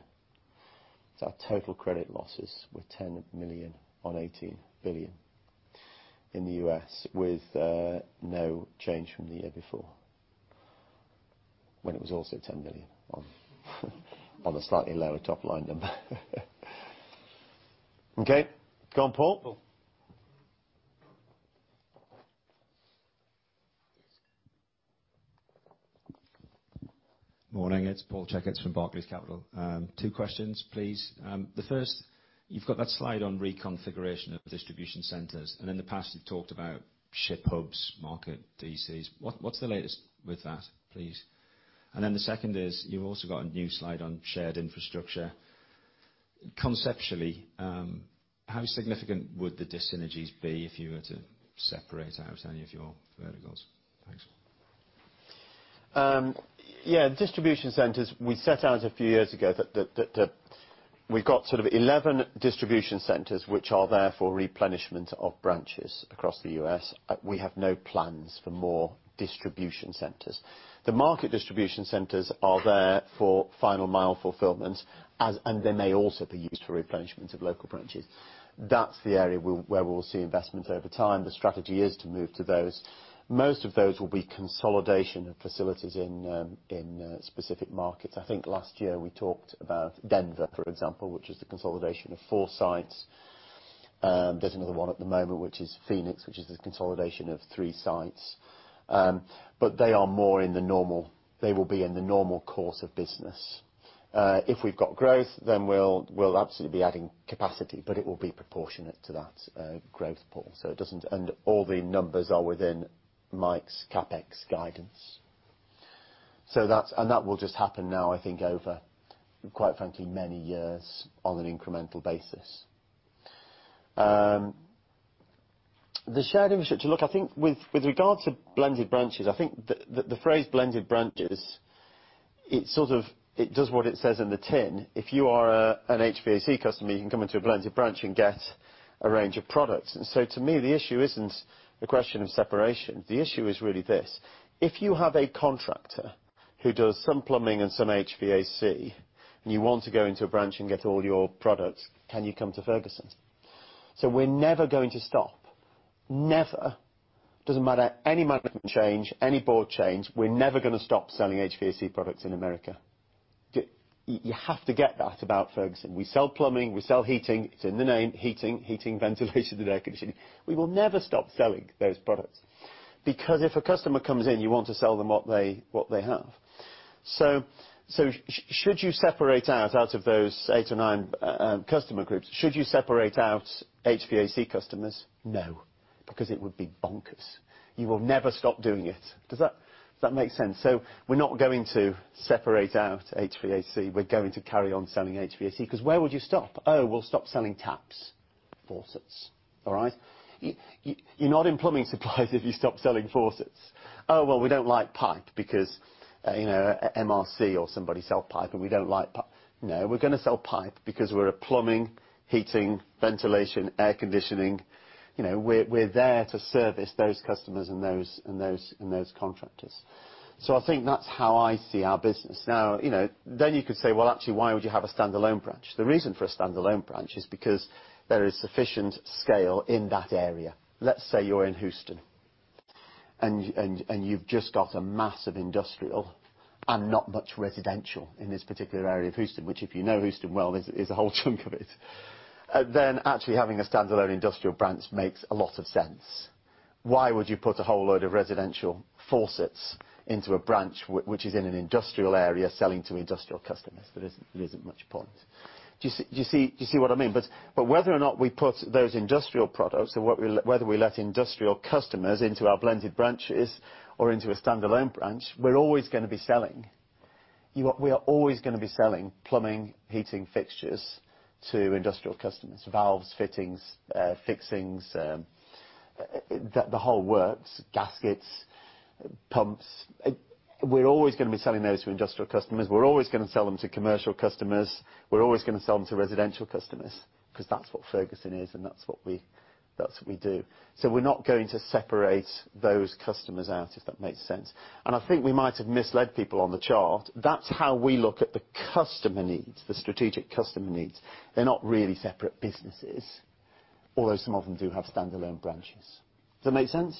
[SPEAKER 2] Our total credit losses were $10 million on $18 billion in the U.S. with no change from the year before, when it was also $10 million on a slightly lower top line number. Okay. Go on, Paul.
[SPEAKER 11] Morning, it's Paul Checketts from Barclays Capital. Two questions, please. The first, you've got that slide on reconfiguration of distribution centers, in the past you've talked about ship hubs, market DCs. What's the latest with that, please? The second is, you've also got a new slide on shared infrastructure. Conceptually, how significant would the de-synergies be if you were to separate out any of your verticals? Thanks.
[SPEAKER 2] Yeah. Distribution centers, we set out a few years ago that we've got sort of 11 distribution centers, which are there for replenishment of branches across the U.S. We have no plans for more distribution centers. The market distribution centers are there for final mile fulfillment, and they may also be used for replenishment of local branches. That's the area where we'll see investment over time. The strategy is to move to those. Most of those will be consolidation of facilities in specific markets. I think last year we talked about Denver, for example, which is the consolidation of four sites. There's another one at the moment, which is Phoenix, which is the consolidation of three sites. They are more in the normal course of business. If we've got growth, then we'll absolutely be adding capacity, but it will be proportionate to that growth pool. All the numbers are within Mike's CapEx guidance. That will just happen now, I think, over quite frankly, many years on an incremental basis. The shared infrastructure, look, I think with regards to blended branches, I think the phrase blended branches, it does what it says on the tin. If you are an HVAC customer, you can come into a blended branch and get a range of products. To me, the issue isn't the question of separation. The issue is really this. If you have a contractor who does some plumbing and some HVAC, and you want to go into a branch and get all your products, can you come to Ferguson? We're never going to stop. Never. Doesn't matter, any management change, any board change, we're never going to stop selling HVAC products in America. You have to get that about Ferguson. We sell plumbing, we sell heating. It's in the name, heating, ventilation, and air conditioning. We will never stop selling those products. Because if a customer comes in, you want to sell them what they have. Should you separate out of those eight or nine customer groups, should you separate out HVAC customers? No, because it would be bonkers. You will never stop doing it. Does that make sense? We're not going to separate out HVAC. We're going to carry on selling HVAC, because where would you stop? Oh, we'll stop selling taps. Faucets. All right. You're not in plumbing supplies if you stop selling faucets. Well, we don't like pipe because MRC or somebody sell pipe and we don't like pipe. No, we're going to sell pipe because we're a plumbing, heating, ventilation, air conditioning. We're there to service those customers and those contractors. I think that's how I see our business. Now, you could say, well, actually, why would you have a standalone branch? The reason for a standalone branch is because there is sufficient scale in that area. Let's say you're in Houston, and you've just got a mass of industrial and not much residential in this particular area of Houston, which, if you know Houston well, is a whole chunk of it. Actually having a standalone industrial branch makes a lot of sense. Why would you put a whole load of residential faucets into a branch which is in an industrial area selling to industrial customers? There isn't much point. Do you see what I mean? Whether or not we put those industrial products or whether we let industrial customers into our blended branches or into a standalone branch, we're always going to be selling. We are always going to be selling plumbing, heating fixtures to industrial customers. Valves, fittings, fixings, the whole works. Gaskets, pumps. We're always going to be selling those to industrial customers. We're always going to sell them to commercial customers. We're always going to sell them to residential customers, because that's what Ferguson is, and that's what we do. We're not going to separate those customers out, if that makes sense. I think we might have misled people on the chart. That's how we look at the customer needs, the strategic customer needs. They're not really separate businesses, although some of them do have standalone branches. Does that make sense?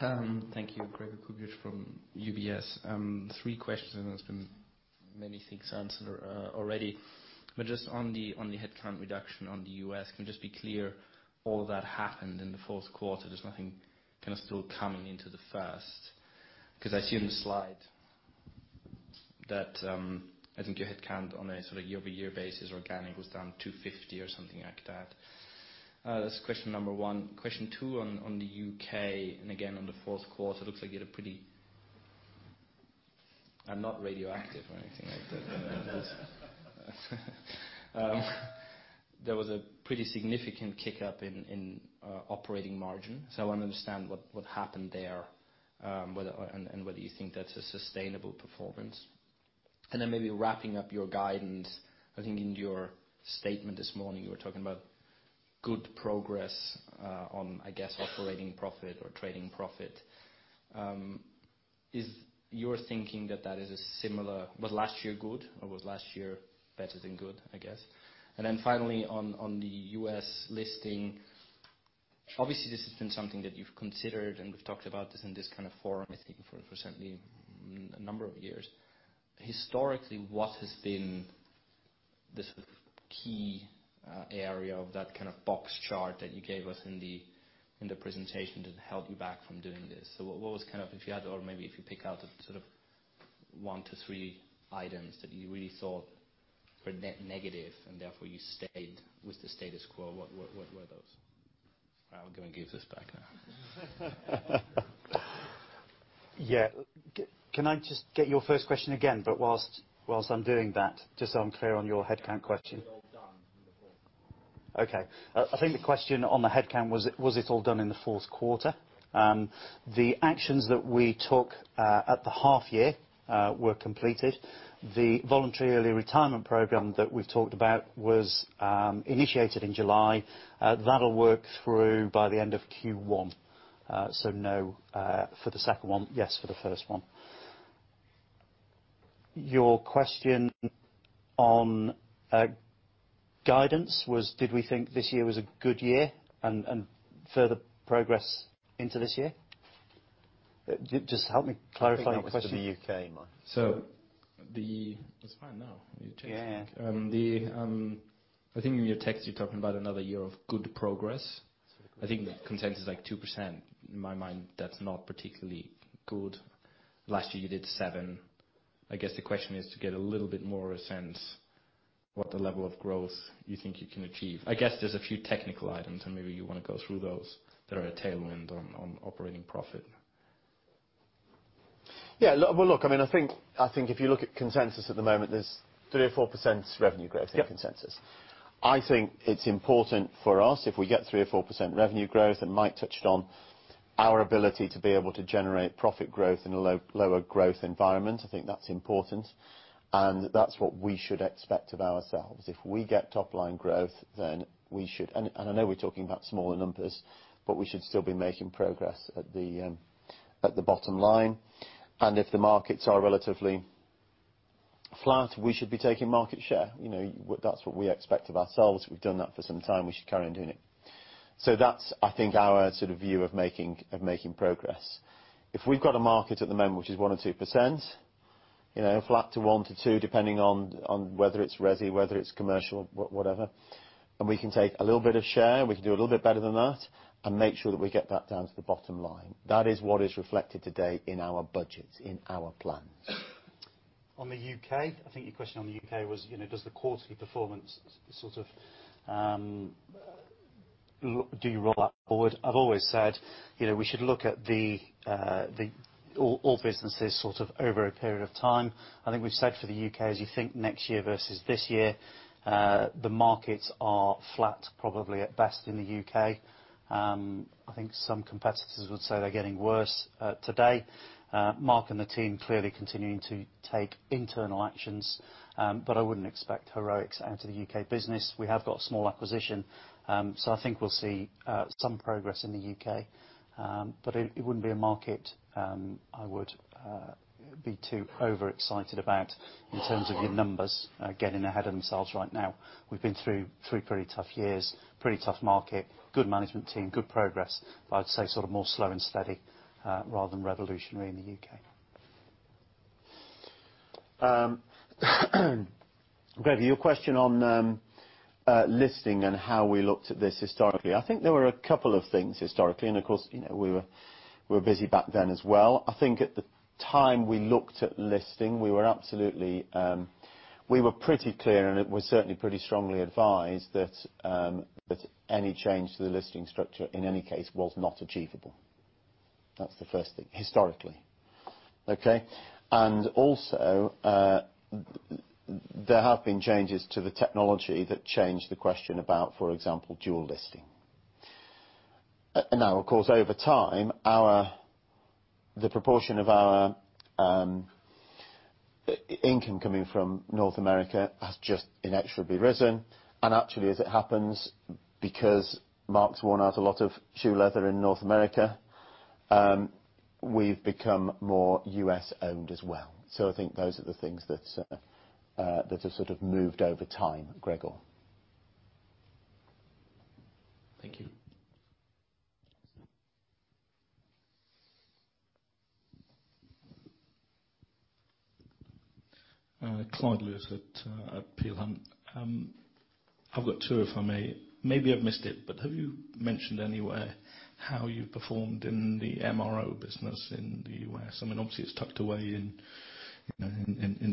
[SPEAKER 12] Thank you. Gregor Kuglitsch from UBS. Three questions. There's been many things answered already. Just on the headcount reduction on the U.S., can you just be clear all that happened in the fourth quarter? There's nothing still coming into the first. I assume the slide that, I think your headcount on a year-over-year basis organic was down 250 or something like that. That's question number one. Question two on the U.K. Again, on the fourth quarter, it looks like you had a pretty I'm not radioactive or anything like that. There was a pretty significant kick up in operating margin. I want to understand what happened there, and whether you think that's a sustainable performance. Maybe wrapping up your guidance, I think in your statement this morning, you were talking about good progress on, I guess operating profit or trading profit. Is your thinking that that is a similar was last year good, or was last year better than good, I guess? Finally on the U.S. listing, obviously this has been something that you've considered, and we've talked about this in this kind of forum, I think for certainly a number of years. Historically, what has been the sort of key area of that kind of box chart that you gave us in the presentation that held you back from doing this? What was kind of, if you had or maybe if you pick out sort of one to three items that you really thought were negative and therefore you stayed with the status quo, what were those? Right, I'll go and give this back now.
[SPEAKER 2] Yeah. Can I just get your first question again, while I'm doing that, just so I'm clear on your headcount question. Okay. I think the question on the headcount, was it all done in the fourth quarter? The actions that we took at the half year were completed. The voluntary early retirement program that we've talked about was initiated in July. That'll work through by the end of Q1. No for the second one, yes for the first one. Your question on guidance was, did we think this year was a good year and further progress into this year? Just help me clarify the question. I think that was for the U.K., Mike.
[SPEAKER 12] It's fine now.
[SPEAKER 2] Yeah.
[SPEAKER 12] I think in your text, you're talking about another year of good progress. I think the consensus is like 2%. In my mind, that's not particularly good. Last year, you did seven. I guess the question is to get a little bit more of a sense what the level of growth you think you can achieve. I guess there's a few technical items, and maybe you want to go through those, that are a tailwind on operating profit.
[SPEAKER 2] Look, I think if you look at consensus at the moment, there's 3% or 4% revenue growth.
[SPEAKER 12] Yep
[SPEAKER 2] in consensus. I think it's important for us if we get 3% or 4% revenue growth, Mike touched on our ability to be able to generate profit growth in a lower growth environment. I think that's important, and that's what we should expect of ourselves. If we get top line growth, then we should, and I know we're talking about smaller numbers, but we should still be making progress at the bottom line. If the markets are relatively flat, we should be taking market share. That's what we expect of ourselves. We've done that for some time. We should carry on doing it. That's, I think, our sort of view of making progress. If we've got a market at the moment which is 1% or 2%, flat to 1%-2%, depending on whether it's resi, whether it's commercial, whatever, and we can take a little bit of share, and we can do a little bit better than that and make sure that we get that down to the bottom line. That is what is reflected today in our budgets, in our plans. On the U.K., I think your question on the U.K. was, does the quarterly performance sort of, do you roll that forward? I've always said we should look at all businesses sort of over a period of time. I think we've said for the U.K., as you think next year versus this year, the markets are flat, probably at best in the U.K. I think some competitors would say they're getting worse today. Mark and the team clearly continuing to take internal actions, I wouldn't expect heroics out of the U.K. business. We have got a small acquisition, I think we'll see some progress in the U.K. It wouldn't be a market I would be too overexcited about in terms of your numbers getting ahead of themselves right now. We've been through three pretty tough years, pretty tough market, good management team, good progress, I'd say sort of more slow and steady rather than revolutionary in the U.K. Gregor, your question on listing and how we looked at this historically. I think there were a couple of things historically, Of course, we were busy back then as well. I think at the time we looked at listing, we were pretty clear, and it was certainly pretty strongly advised that any change to the listing structure, in any case, was not achievable. That's the first thing, historically. Okay. Also, there have been changes to the technology that change the question about, for example, dual listing. Now, of course, over time, the proportion of our income coming from North America has just inexorably risen. Actually, as it happens, because Mark's worn out a lot of shoe leather in North America, we've become more U.S.-owned as well. I think those are the things that have sort of moved over time, Gregor.
[SPEAKER 12] Thank you.
[SPEAKER 13] Clyde Lewis at Peel Hunt. I've got two, if I may. Maybe I've missed it, but have you mentioned anywhere how you've performed in the MRO business in the U.S.? Obviously, it's tucked away in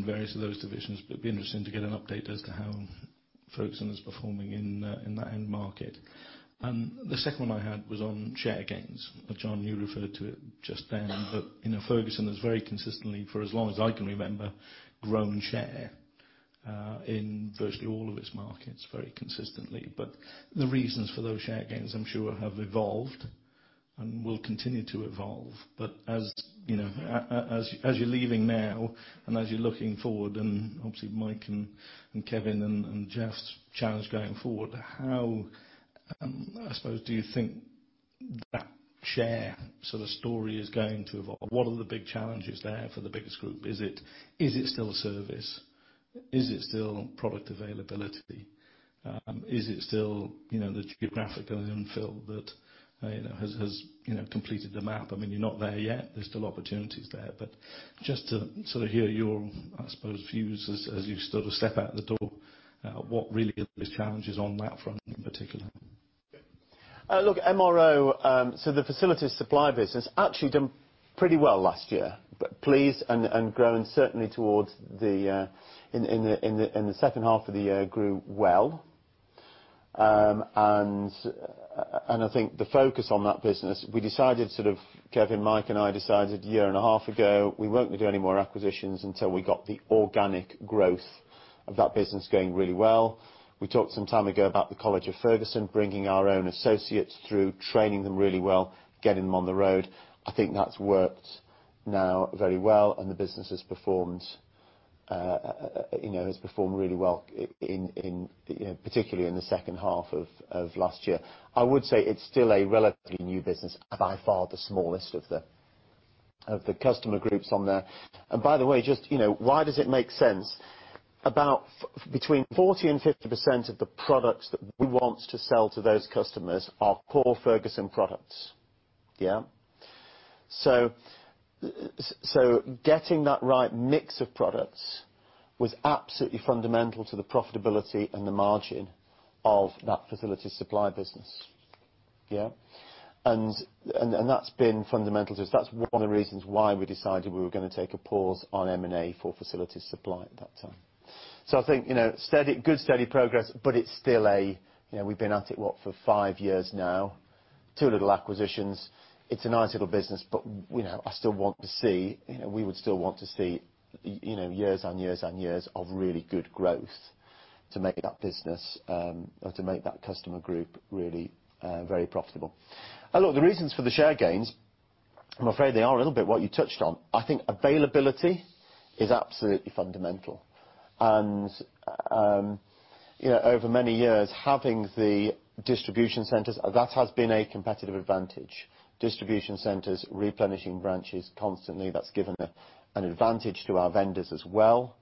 [SPEAKER 13] various of those divisions, but it'd be interesting to get an update as to how Ferguson is performing in that end market. The second one I had was on share gains. John, you referred to it just then. Ferguson has very consistently, for as long as I can remember, grown share in virtually all of its markets very consistently. The reasons for those share gains, I'm sure, have evolved and will continue to evolve. As you're leaving now, and as you're looking forward, and obviously Mike and Kevin and Goeff's challenge going forward, how do you think that share story is going to evolve? What are the big challenges there for the biggest group? Is it still service? Is it still product availability? Is it still the geographic unfilled that has completed the map? You're not there yet. There are still opportunities there. Just to hear your, I suppose, views as you step out the door, what really are the challenges on that front in particular?
[SPEAKER 2] MRO, so the facilities supply business, actually done pretty well last year. Pleased and growing, certainly towards the end of the second half of the year grew well. I think the focus on that business, Kevin, Mike, and I decided a year and a half ago, we weren't going to do any more acquisitions until we got the organic growth of that business going really well. We talked some time ago about the College of Ferguson bringing our own associates through, training them really well, getting them on the road. I think that's worked now very well, and the business has performed really well, particularly in the second half of last year. I would say it's still a relatively new business, by far the smallest of the customer groups on there. Why does it make sense? About between 40% and 50% of the products that we want to sell to those customers are core Ferguson products. Yeah. Getting that right mix of products was absolutely fundamental to the profitability and the margin of that facilities supply business. Yeah. That's been fundamental to us. That's one of the reasons why we decided we were going to take a pause on M&A for facilities supply at that time. I think good steady progress, but we've been at it for five years now. Two little acquisitions. It's a nice little business, we would still want to see years and years and years of really good growth to make that customer group really very profitable. Look, the reasons for the share gains, I'm afraid they are a little bit what you touched on. I think availability is absolutely fundamental. Over many years, having the distribution centers, that has been a competitive advantage. Distribution centers replenishing branches constantly, that's given an advantage to our vendors as well,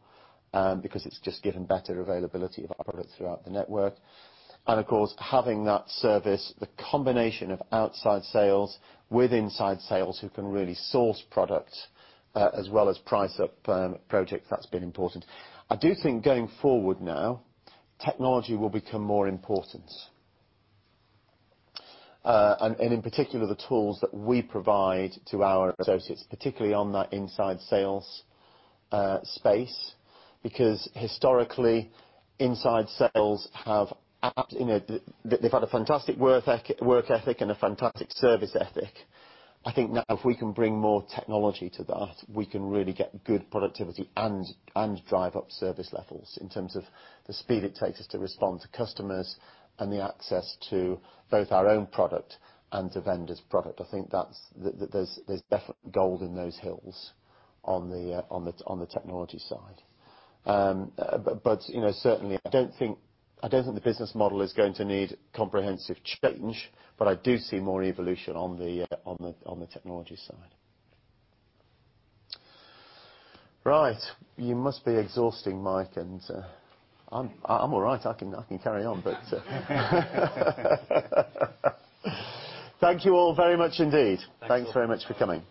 [SPEAKER 2] because it's just given better availability of our product throughout the network. Of course, having that service, the combination of outside sales with inside sales who can really source product as well as price up projects, that's been important. I do think going forward now, technology will become more important. In particular, the tools that we provide to our associates, particularly on that inside sales space. Because historically, inside sales have had a fantastic work ethic and a fantastic service ethic. I think now if we can bring more technology to that, we can really get good productivity and drive up service levels in terms of the speed it takes us to respond to customers and the access to both our own product and the vendor's product. I think there's definitely gold in those hills on the technology side. Certainly, I don't think the business model is going to need comprehensive change, but I do see more evolution on the technology side. Right. You must be exhausted, Mike. I'm all right. I can carry on, but thank you all very much indeed.
[SPEAKER 14] Thank you.
[SPEAKER 2] Thanks very much for coming.